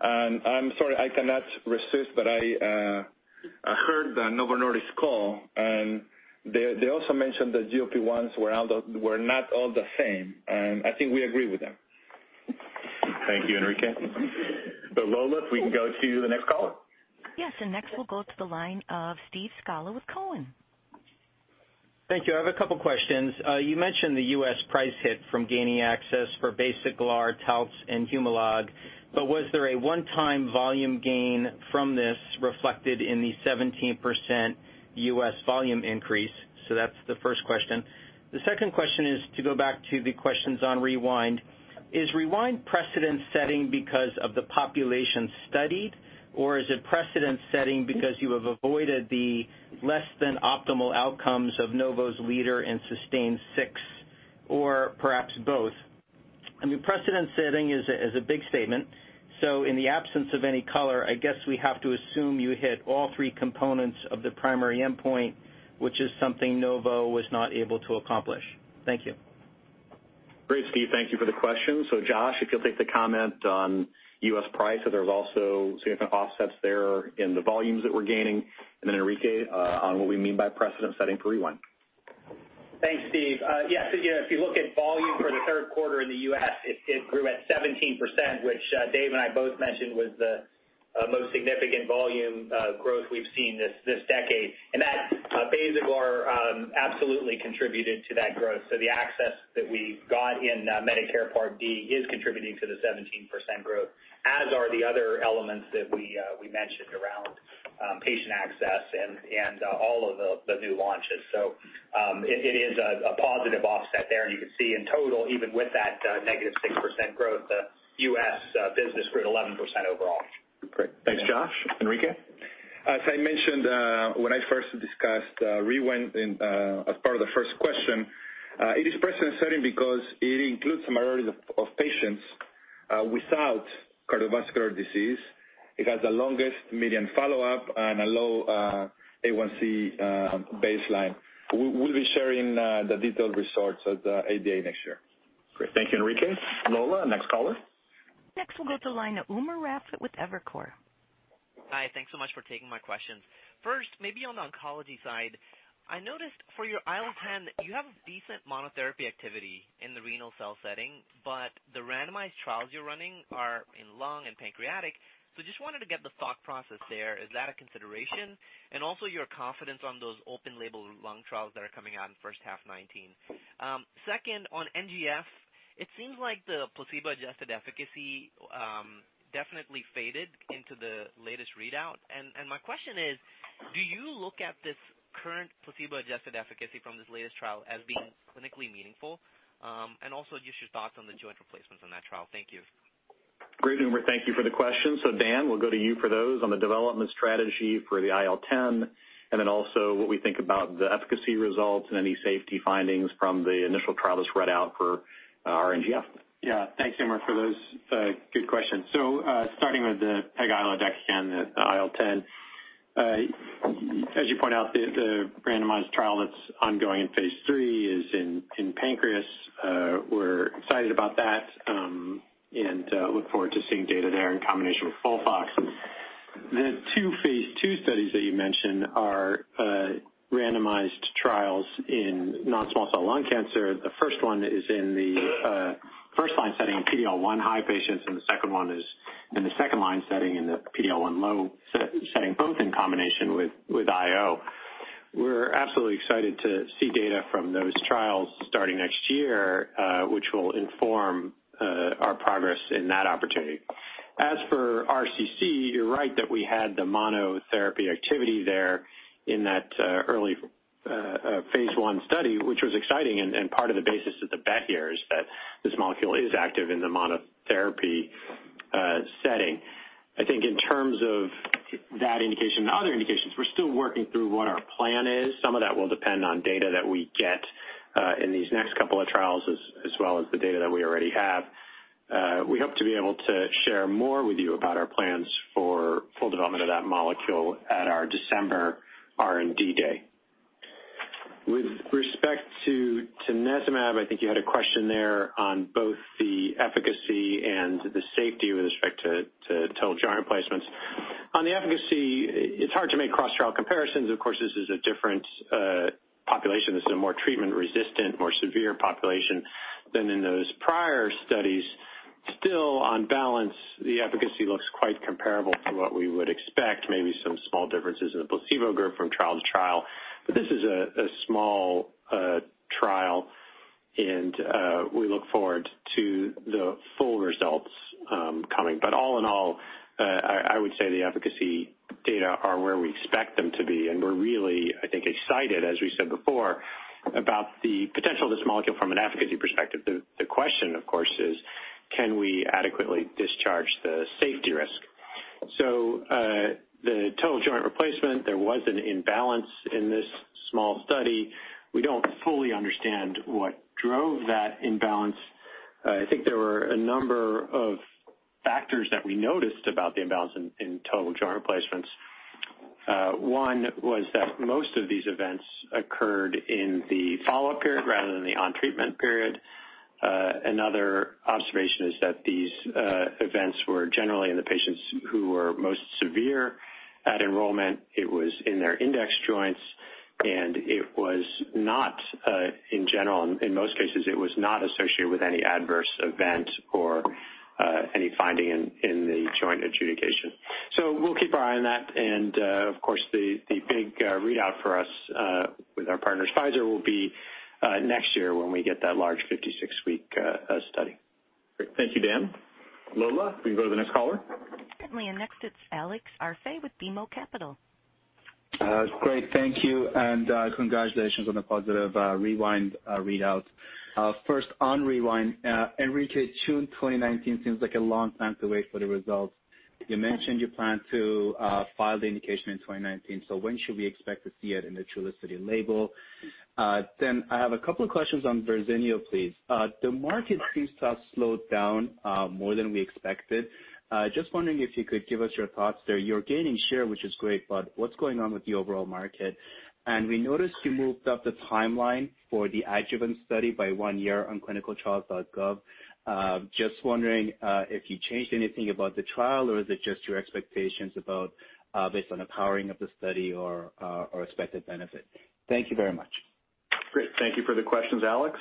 I'm sorry, I cannot resist, I heard the Novo Nordisk call, they also mentioned that GLP-1s were not all the same, I think we agree with them. Thank you, Enrique. Lola, if we can go to the next caller. Yes. Next, we'll go to the line of Steve Scala with Cowen. Thank you. I have a couple questions. You mentioned the U.S. price hit from gaining access for BASAGLAR, Toujeo, and Humalog, but was there a one-time volume gain from this reflected in the 17% U.S. volume increase? That's the first question. The second question is to go back to the questions on REWIND. Is REWIND precedent setting because of the population studied, or is it precedent setting because you have avoided the less than optimal outcomes of Novo's LEADER in SUSTAIN 6 or perhaps both? I mean, precedent setting is a big statement. In the absence of any color, I guess we have to assume you hit all three components of the primary endpoint, which is something Novo was not able to accomplish. Thank you. Great, Steve. Thank you for the question. Josh, if you'll take the comment on U.S. price, there's also significant offsets there in the volumes that we're gaining. Enrique, on what we mean by precedent setting for REWIND. Thanks, Steve. Yes. If you look at volume for the third quarter in the U.S., it grew at 17%, which Dave and I both mentioned was the most significant volume growth we've seen this decade. That BASAGLAR absolutely contributed to that growth. The access that we got in Medicare Part D is contributing to the 17% growth, as are the other elements that we mentioned around patient access and all of the new launches. It is a positive offset there, and you can see in total, even with that negative 6% growth, the U.S. business grew at 11% overall. Great. Thanks, Josh. Enrique? As I mentioned, when I first discussed REWIND, as part of the first question, it is precedent setting because it includes a majority of patients without cardiovascular disease. It has the longest median follow-up and a low A1C baseline. We'll be sharing the detailed results at ADA next year. Great. Thank you, Enrique. Lola, next caller. Next we'll go to line, Umer Raffat with Evercore. Hi. Thanks so much for taking my questions. First, maybe on the oncology side, I noticed for your IL-10, you have a decent monotherapy activity in the renal cell setting, but the randomized trials you're running are in lung and pancreatic. Just wanted to get the thought process there. Is that a consideration? Also your confidence on those open label lung trials that are coming out in first half 2019. Second, on NGF, it seems like the placebo-adjusted efficacy definitely faded into the latest readout. My question is, do you look at this current placebo-adjusted efficacy from this latest trial as being clinically meaningful? Also just your thoughts on the joint replacements on that trial. Thank you. Great, Umer. Thank you for the question. Dan, we'll go to you for those on the development strategy for the IL-10, and then also what we think about the efficacy results and any safety findings from the initial trial that's read out for our NGF. Thanks, Umer, for those good questions. Starting with the pegilodecakin, the IL-10. As you point out, the randomized trial that's ongoing in phase III is in pancreas. We're excited about that, and look forward to seeing data there in combination with FOLFOX. The two phase II studies that you mentioned are randomized trials in non-small cell lung cancer. The first one is in the first line setting in PD-L1 high patients, and the second one is in the second line setting in the PD-L1 low setting, both in combination with IO. We're absolutely excited to see data from those trials starting next year, which will inform our progress in that opportunity. As for RCC, you're right that we had the monotherapy activity there in that early phase I study, which was exciting and part of the basis of the bet here is that this molecule is active in the monotherapy-setting. I think in terms of that indication and other indications, we're still working through what our plan is. Some of that will depend on data that we get in these next couple of trials, as well as the data that we already have. We hope to be able to share more with you about our plans for full development of that molecule at our December R&D day. With respect to tanezumab, I think you had a question there on both the efficacy and the safety with respect to total joint replacements. On the efficacy, it's hard to make cross trial comparisons. Of course, this is a different population. This is a more treatment-resistant, more severe population than in those prior studies. Still, on balance, the efficacy looks quite comparable to what we would expect, maybe some small differences in the placebo group from trial to trial. This is a small trial, and we look forward to the full results coming. All in all, I would say the efficacy data are where we expect them to be, and we're really, I think, excited, as we said before, about the potential of this molecule from an efficacy perspective. The question, of course, is can we adequately discharge the safety risk? The total joint replacement, there was an imbalance in this small study. We don't fully understand what drove that imbalance. I think there were a number of factors that we noticed about the imbalance in total joint replacements. One was that most of these events occurred in the follow-up period rather than the on-treatment period. Another observation is that these events were generally in the patients who were most severe at enrollment. It was in their index joints, and it was not, in general, in most cases, it was not associated with any adverse event or any finding in the joint adjudication. We'll keep our eye on that, and of course, the big readout for us with our partners, Pfizer, will be next year when we get that large 56-week study. Great. Thank you, Dan. Lola, can we go to the next caller? Certainly. Next, it's Alex Arfaei with BMO Capital. Great. Thank you, and congratulations on the positive REWIND readout. First, on REWIND, Enrique, June 2019 seems like a long time to wait for the results. You mentioned you plan to file the indication in 2019. When should we expect to see it in the Trulicity label? I have a couple of questions on Verzenio, please. The market seems to have slowed down more than we expected. Just wondering if you could give us your thoughts there. You're gaining share, which is great, but what's going on with the overall market? We noticed you moved up the timeline for the adjuvant study by one year on clinicaltrials.gov. Just wondering if you changed anything about the trial, or is it just your expectations based on the powering of the study or expected benefit. Thank you very much. Great. Thank you for the questions, Alex.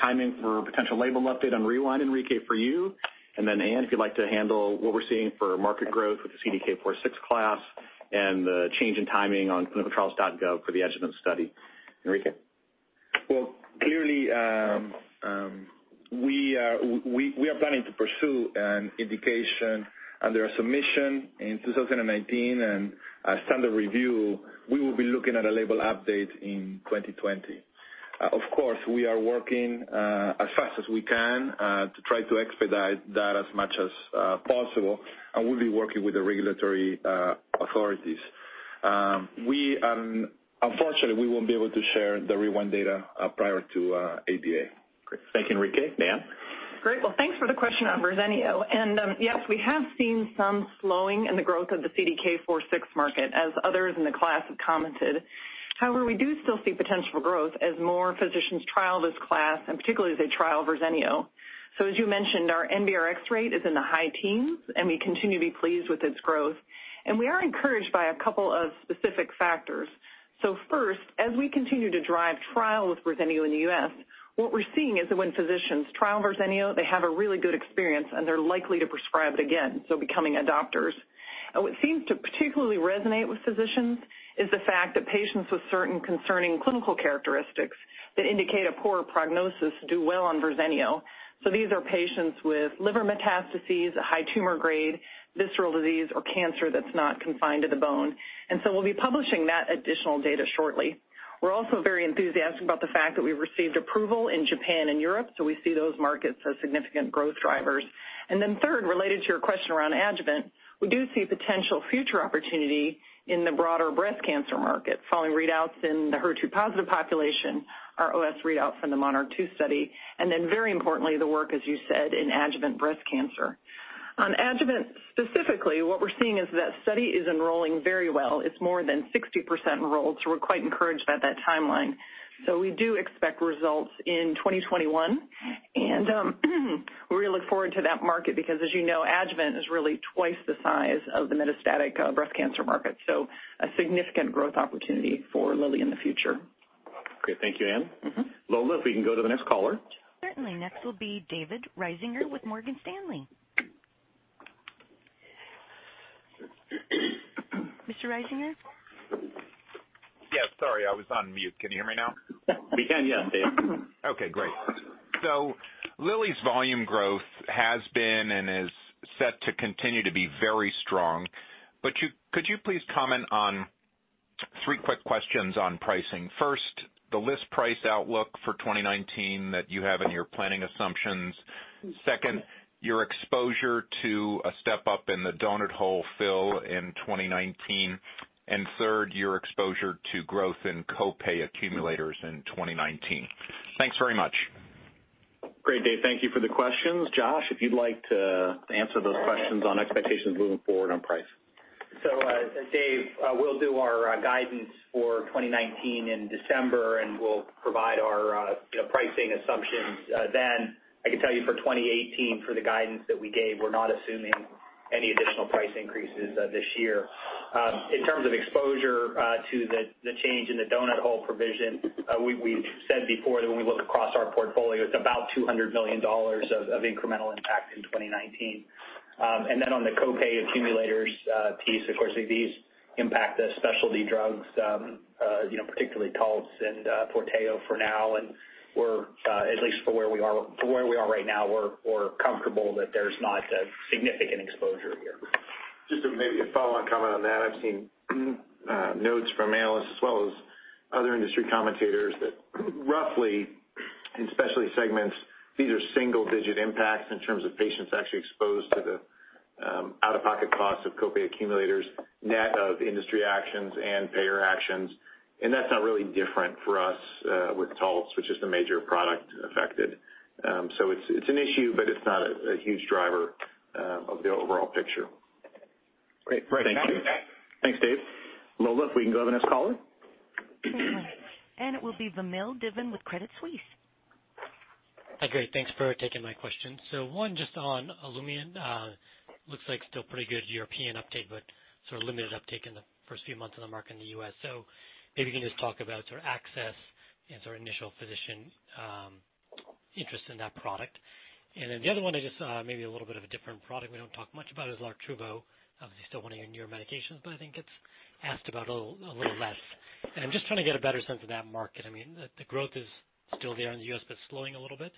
Timing for a potential label update on REWIND, Enrique, for you. Anne, if you'd like to handle what we're seeing for market growth with the CDK4/6 class and the change in timing on clinicaltrials.gov for the adjuvant study. Enrique? Clearly, we are planning to pursue an indication under a submission in 2019 and a standard review. We will be looking at a label update in 2020. We are working as fast as we can to try to expedite that as much as possible, and we'll be working with the regulatory authorities. We won't be able to share the REWIND data prior to ADA. Great. Thank you, Enrique. Anne? Great. Thanks for the question on Verzenio. Yes, we have seen some slowing in the growth of the CDK4/6 market, as others in the class have commented. However, we do still see potential for growth as more physicians trial this class, and particularly as they trial Verzenio. As you mentioned, our NBRX rate is in the high teens, and we continue to be pleased with its growth. We are encouraged by a couple of specific factors. First, as we continue to drive trials with Verzenio in the U.S., what we're seeing is that when physicians trial Verzenio, they have a really good experience and they're likely to prescribe it again, so becoming adopters. What seems to particularly resonate with physicians is the fact that patients with certain concerning clinical characteristics that indicate a poor prognosis do well on Verzenio. These are patients with liver metastases, a high tumor grade, visceral disease, or cancer that's not confined to the bone. We'll be publishing that additional data shortly. We're also very enthusiastic about the fact that we've received approval in Japan and Europe, we see those markets as significant growth drivers. Third, related to your question around adjuvant, we do see potential future opportunity in the broader breast cancer market following readouts in the HER2 positive population, our OS readout from the MONARCH 2 study, and then very importantly, the work, as you said, in adjuvant breast cancer. On adjuvant specifically, what we're seeing is that study is enrolling very well. It's more than 60% enrolled, we're quite encouraged about that timeline. We do expect results in 2021, and we really look forward to that market because, as you know, adjuvant is really twice the size of the metastatic breast cancer market. A significant growth opportunity for Lilly in the future. Great. Thank you, Anne. Lola, if we can go to the next caller. Certainly. Next will be David Risinger with Morgan Stanley. Mr. Risinger? Yes, sorry, I was on mute. Can you hear me now? We can, yes, David. Okay, great. Lilly's volume growth has been and is set to continue to be very strong, could you please comment on Three quick questions on pricing. First, the list price outlook for 2019 that you have in your planning assumptions. Second, your exposure to a step-up in the donut hole fill in 2019, and third, your exposure to growth in co-pay accumulators in 2019. Thanks very much. Great, Dave. Thank you for the questions. Josh, if you'd like to answer those questions on expectations moving forward on price. Dave, we'll do our guidance for 2019 in December, and we'll provide our pricing assumptions then. I can tell you for 2018, for the guidance that we gave, we're not assuming any additional price increases this year. In terms of exposure to the change in the donut hole provision, we've said before that when we look across our portfolio, it's about $200 million of incremental impact in 2019. On the co-pay accumulators piece, of course, these impact the specialty drugs, particularly Taltz and FORTEO for now. At least for where we are right now, we're comfortable that there's not a significant exposure here. Just maybe a follow-on comment on that. I've seen notes from analysts as well as other industry commentators that roughly, in specialty segments, these are single-digit impacts in terms of patients actually exposed to the out-of-pocket cost of co-pay accumulators, net of industry actions and payer actions. That's not really different for us with Taltz, which is the major product affected. It's an issue, but it's not a huge driver of the overall picture. Great. Thank you. Thanks, Dave. Lola, if we can go to the next caller. It will be Vamil Divan with Credit Suisse. Hi, great. Thanks for taking my question. One just on Olumiant. Looks like still pretty good European uptake, but sort of limited uptake in the first few months on the market in the U.S. Maybe you can just talk about sort of access and sort of initial physician interest in that product. Then the other one, maybe a little bit of a different product we don't talk much about, is LARTRUVO. Obviously, still one of your newer medications, but I think it's asked about a little less. I'm just trying to get a better sense of that market. The growth is still there in the U.S., but slowing a little bit.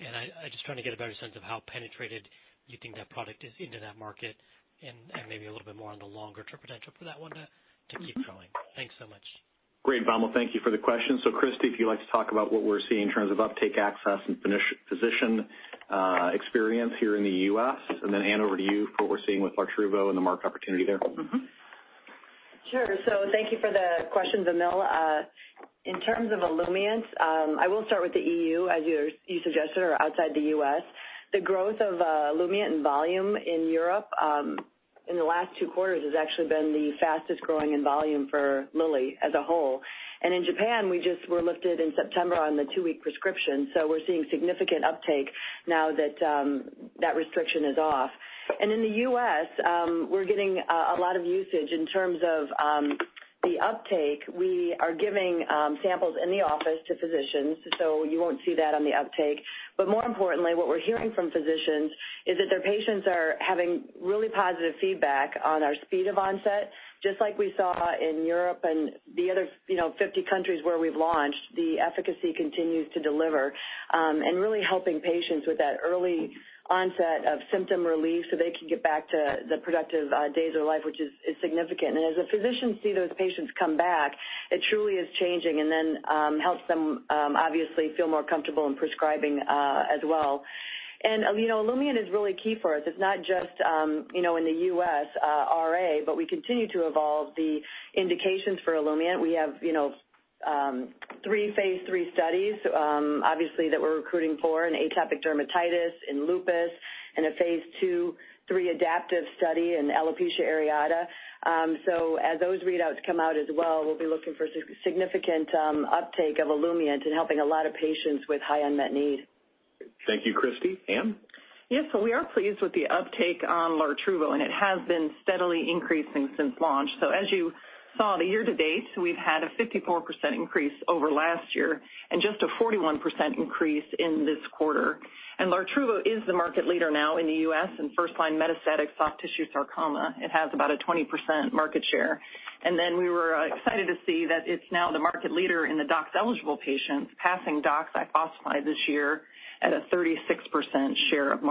I'm just trying to get a better sense of how penetrated you think that product is into that market and maybe a little bit more on the longer-term potential for that one to keep growing. Thanks so much. Great, Vamil. Thank you for the question. Christi, if you'd like to talk about what we're seeing in terms of uptake, access, and physician experience here in the U.S. Anne, over to you for what we're seeing with LARTRUVO and the market opportunity there. Sure. Thank you for the question, Vamil. In terms of Olumiant, I will start with the EU, as you suggested, or outside the U.S. The growth of Olumiant in volume in Europe in the last two quarters has actually been the fastest growing in volume for Lilly as a whole. In Japan, we just were lifted in September on the two-week prescription, so we're seeing significant uptake now that that restriction is off. In the U.S., we're getting a lot of usage. In terms of the uptake, we are giving samples in the office to physicians, so you won't see that on the uptake. More importantly, what we're hearing from physicians is that their patients are having really positive feedback on our speed of onset. Just like we saw in Europe and the other 50 countries where we've launched, the efficacy continues to deliver and really helping patients with that early onset of symptom relief so they can get back to the productive days of life, which is significant. As the physicians see those patients come back, it truly is changing and then helps them obviously feel more comfortable in prescribing as well. Olumiant is really key for us. It's not just in the U.S. RA, but we continue to evolve the indications for Olumiant. We have three phase III studies obviously that we're recruiting for in atopic dermatitis, in lupus, and a phase II/III adaptive study in alopecia areata. As those readouts come out as well, we'll be looking for significant uptake of Olumiant in helping a lot of patients with high unmet need. Thank you, Christi. Anne? Yes. We are pleased with the uptake on Lartruvo, it has been steadily increasing since launch. As you saw, the year-to-date, we've had a 54% increase over last year and just a 41% increase in this quarter. Lartruvo is the market leader now in the U.S. in first-line metastatic soft tissue sarcoma. It has about a 20% market share. We were excited to see that it's now the market leader in the doxorubicin-eligible patients, passing doxorubicin this year at a 36% share of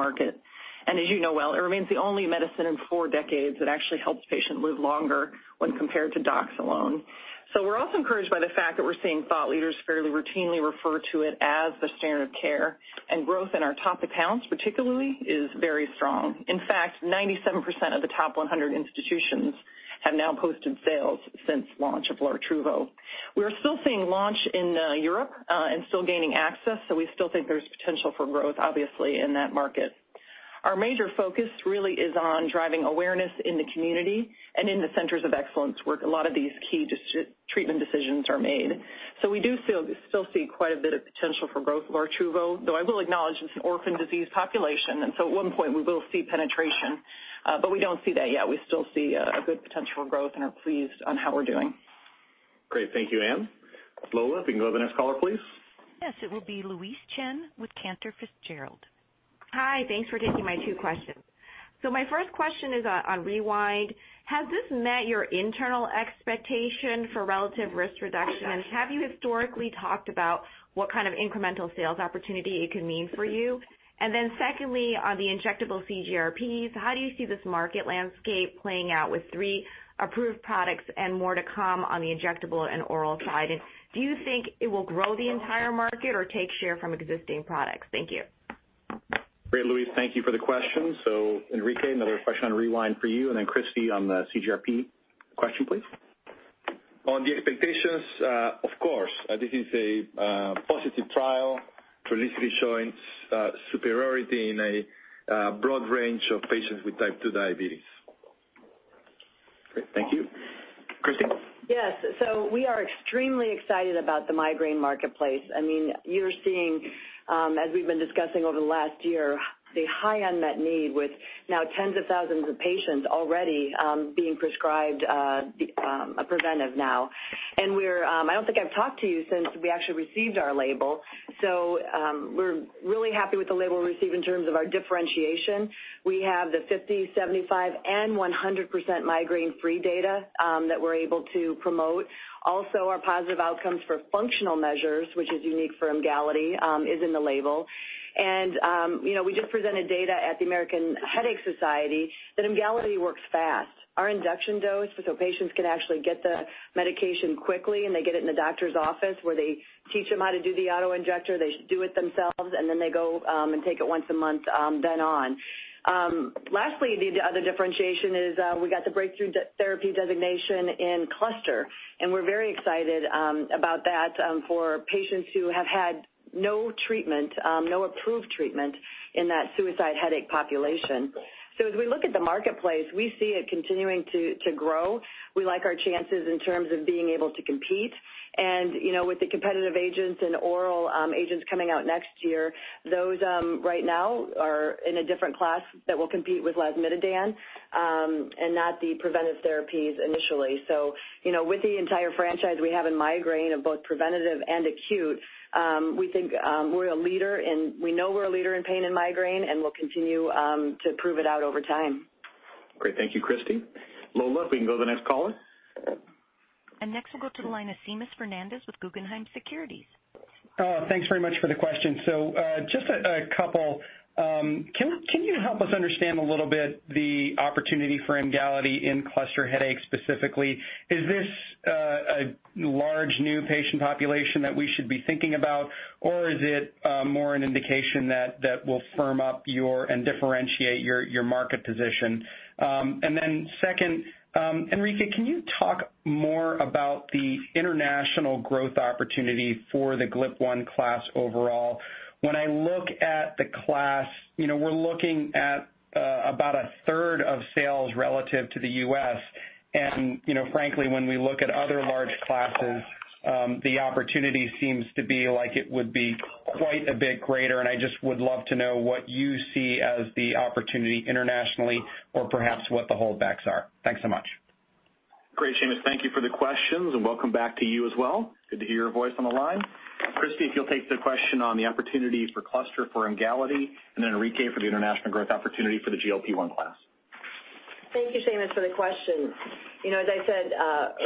market. As you know well, it remains the only medicine in four decades that actually helps patients live longer when compared to doxorubicin alone. We're also encouraged by the fact that we're seeing thought leaders fairly routinely refer to it as the standard of care, and growth in our top accounts particularly is very strong. In fact, 97% of the top 100 institutions have now posted sales since launch of Lartruvo. We are still seeing launch in Europe and still gaining access, we still think there's potential for growth, obviously, in that market. Our major focus really is on driving awareness in the community and in the centers of excellence where a lot of these key treatment decisions are made. We do still see quite a bit of potential for growth of Lartruvo, though I will acknowledge it's an orphan disease population, at one point we will see penetration, but we don't see that yet. We still see a good potential for growth and are pleased on how we're doing. Great. Thank you, Anne. Lola, if we can go to the next caller, please. Yes, it will be Louise Chen with Cantor Fitzgerald. Hi. Thanks for taking my two questions. My first question is on REWIND. Has this met your internal expectation for relative risk reduction? Have you historically talked about what kind of incremental sales opportunity it could mean for you? Then secondly, on the injectable CGRPs, how do you see this market landscape playing out with three approved products and more to come on the injectable and oral side? Do you think it will grow the entire market or take share from existing products? Thank you. Great, Louise. Thank you for the question. Enrique, another question on REWIND for you, then Christi on the CGRP question, please. On the expectations, of course. This is a positive trial, clearly showing superiority in a broad range of patients with type 2 diabetes. Great. Thank you. Christi? Yes. We are extremely excited about the migraine marketplace. You're seeing, as we've been discussing over the last year, the high unmet need with now tens of thousands of patients already being prescribed a preventive now. I don't think I've talked to you since we actually received our label. We're really happy with the label we received in terms of our differentiation. We have the 50%, 75%, and 100% migraine-free data that we're able to promote. Also, our positive outcomes for functional measures, which is unique for EMGALITY, is in the label. We just presented data at the American Headache Society that EMGALITY works fast. Our induction dose, patients can actually get the medication quickly, and they get it in the doctor's office where they teach them how to do the auto-injector, they do it themselves, and then they go and take it once a month then on. Lastly, the other differentiation is we got the breakthrough therapy designation in cluster. We're very excited about that for patients who have had no approved treatment in that suicide headache population. As we look at the marketplace, we see it continuing to grow. We like our chances in terms of being able to compete. With the competitive agents and oral agents coming out next year, those right now are in a different class that will compete with lasmiditan, and not the preventive therapies initially. With the entire franchise we have in migraine of both preventative and acute, we know we're a leader in pain and migraine, and we'll continue to prove it out over time. Great. Thank you, Christi. Lola, we can go to the next caller. Next, we'll go to the line of Seamus Fernandez with Guggenheim Securities. Thanks very much for the question. Just a couple. Can you help us understand a little bit the opportunity for EMGALITY in cluster headaches specifically? Is this a large new patient population that we should be thinking about, or is it more an indication that will firm up and differentiate your market position? Then second, Enrique, can you talk more about the international growth opportunity for the GLP-1 class overall? When I look at the class, we're looking at about a third of sales relative to the U.S., and frankly, when we look at other large classes, the opportunity seems to be like it would be quite a bit greater. I just would love to know what you see as the opportunity internationally or perhaps what the holdbacks are. Thanks so much. Great, Seamus. Thank you for the questions, and welcome back to you as well. Good to hear your voice on the line. Christi, you'll take the question on the opportunity for cluster for EMGALITY, and then Enrique for the international growth opportunity for the GLP-1 class. Thank you, Seamus, for the question. As I said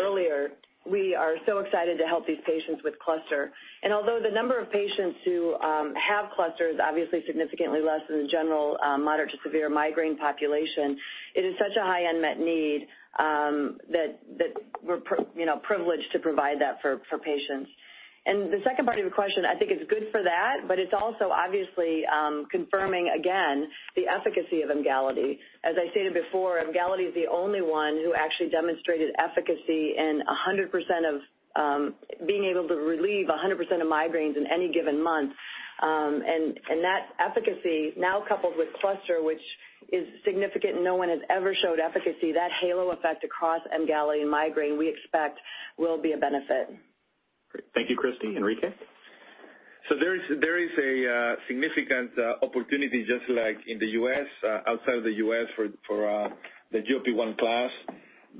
earlier, we are so excited to help these patients with cluster. Although the number of patients who have cluster is obviously significantly less than the general moderate to severe migraine population, it is such a high unmet need that we're privileged to provide that for patients. The second part of your question, I think is good for that, but it's also obviously confirming, again, the efficacy of EMGALITY. As I stated before, EMGALITY is the only one who actually demonstrated efficacy in 100% of being able to relieve 100% of migraines in any given month. That efficacy now coupled with cluster, which is significant, no one has ever showed efficacy. That halo effect across EMGALITY migraine, we expect will be a benefit. Great. Thank you, Christi. Enrique? There is a significant opportunity, just like in the U.S., outside of the U.S., for the GLP-1 class.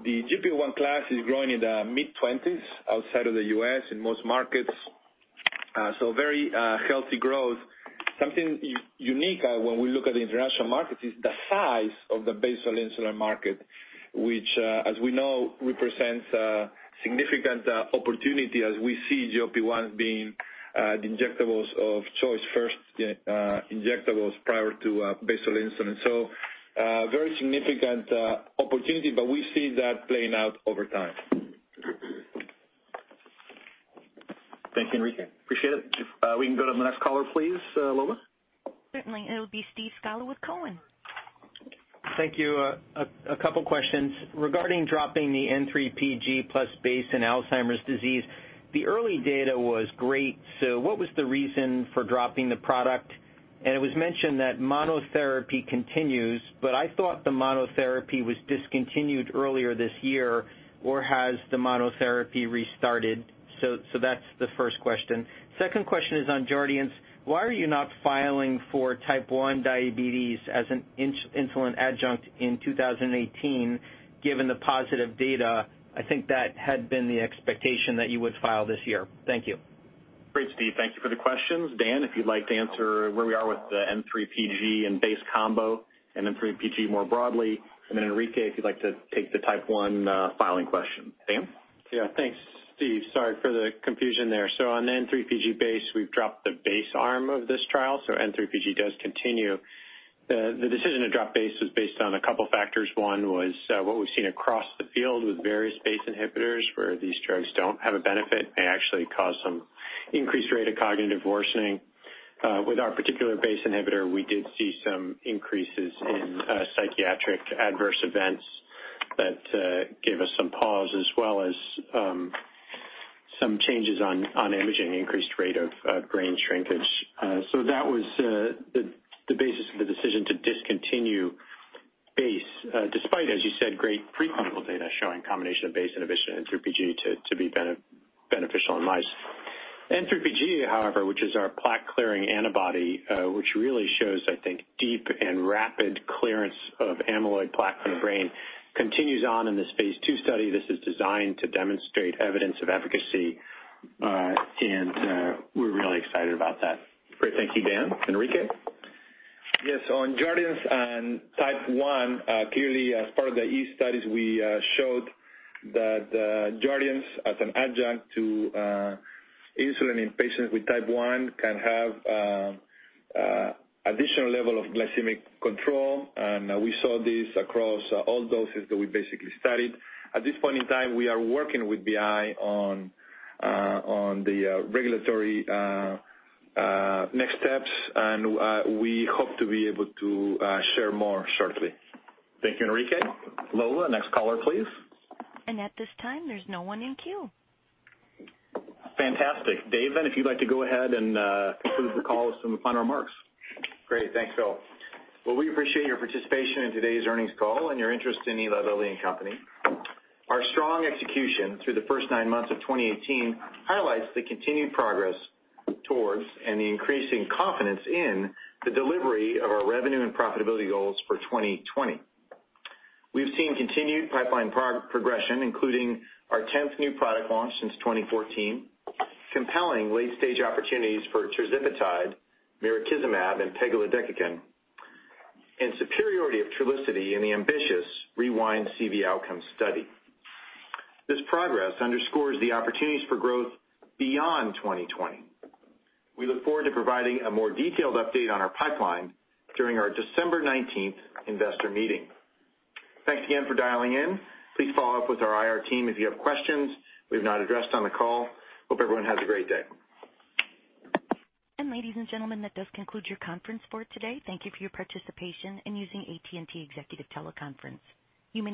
The GLP-1 class is growing in the mid-20s outside of the U.S. in most markets. Very healthy growth. Something unique when we look at the international market is the size of the basal insulin market, which, as we know, represents a significant opportunity as we see GLP-1 as being the injectables of choice first, injectables prior to basal insulin. Very significant opportunity, but we see that playing out over time. Thank you, Enrique. Appreciate it. We can go to the next caller, please, Lola. Certainly. It'll be Steve Scala with Cowen. Thank you. A couple questions. Regarding dropping the N3pG plus BACE in Alzheimer's disease, the early data was great, what was the reason for dropping the product? It was mentioned that monotherapy continues, but I thought the monotherapy was discontinued earlier this year, or has the monotherapy restarted? That's the first question. Second question is on JARDIANCE. Why are you not filing for type 1 diabetes as an insulin adjunct in 2018 given the positive data? I think that had been the expectation that you would file this year. Thank you. Great, Steve. Thank you for the questions. Dan, if you'd like to answer where we are with the N3pG and BACE combo and N3pG more broadly, Enrique, if you'd like to take the type 1 filing question. Dan? Yeah, thanks, Steve. Sorry for the confusion there. On the N3pG BACE, we've dropped the BACE arm of this trial, N3pG does continue. The decision to drop BACE was based on a couple factors. One was what we've seen across the field with various BACE inhibitors, where these drugs don't have a benefit, may actually cause some increased rate of cognitive worsening. With our particular BACE inhibitor, we did see some increases in psychiatric adverse events that gave us some pause, as well as some changes on imaging, increased rate of brain shrinkage. That was the basis of the decision to discontinue BACE, despite, as you said, great preclinical data showing combination of BACE inhibition N3pG to be beneficial in mice. N3pG, however, which is our plaque-clearing antibody, which really shows, I think, deep and rapid clearance of amyloid plaque in the brain, continues on in this phase II study. This is designed to demonstrate evidence of efficacy, and we're really excited about that. Great. Thank you, Dan. Enrique? Yes. On JARDIANCE and type 1, clearly as part of the EASE studies, we showed that JARDIANCE, as an adjunct to insulin in patients with type 1, can have additional level of glycemic control, and we saw this across all doses that we basically studied. At this point in time, we are working with BI on the regulatory next steps, and we hope to be able to share more shortly. Thank you, Enrique. Lola, next caller, please. At this time, there's no one in queue. Fantastic. Dave, if you'd like to go ahead and conclude the call with some final remarks. Great. Thanks, Phil. We appreciate your participation in today's earnings call and your interest in Eli Lilly and Company. Our strong execution through the first nine months of 2018 highlights the continued progress towards, and the increasing confidence in, the delivery of our revenue and profitability goals for 2020. We've seen continued pipeline progression, including our 10th new product launch since 2014, compelling late-stage opportunities for tirzepatide, mirikizumab, and pegilodecakin, and superiority of Trulicity in the ambitious REWIND CV outcomes study. This progress underscores the opportunities for growth beyond 2020. We look forward to providing a more detailed update on our pipeline during our December 19th investor meeting. Thanks again for dialing in. Please follow up with our IR team if you have questions we've not addressed on the call. Hope everyone has a great day. Ladies and gentlemen, that does conclude your conference for today. Thank you for your participation in using AT&T Executive Teleconference. You may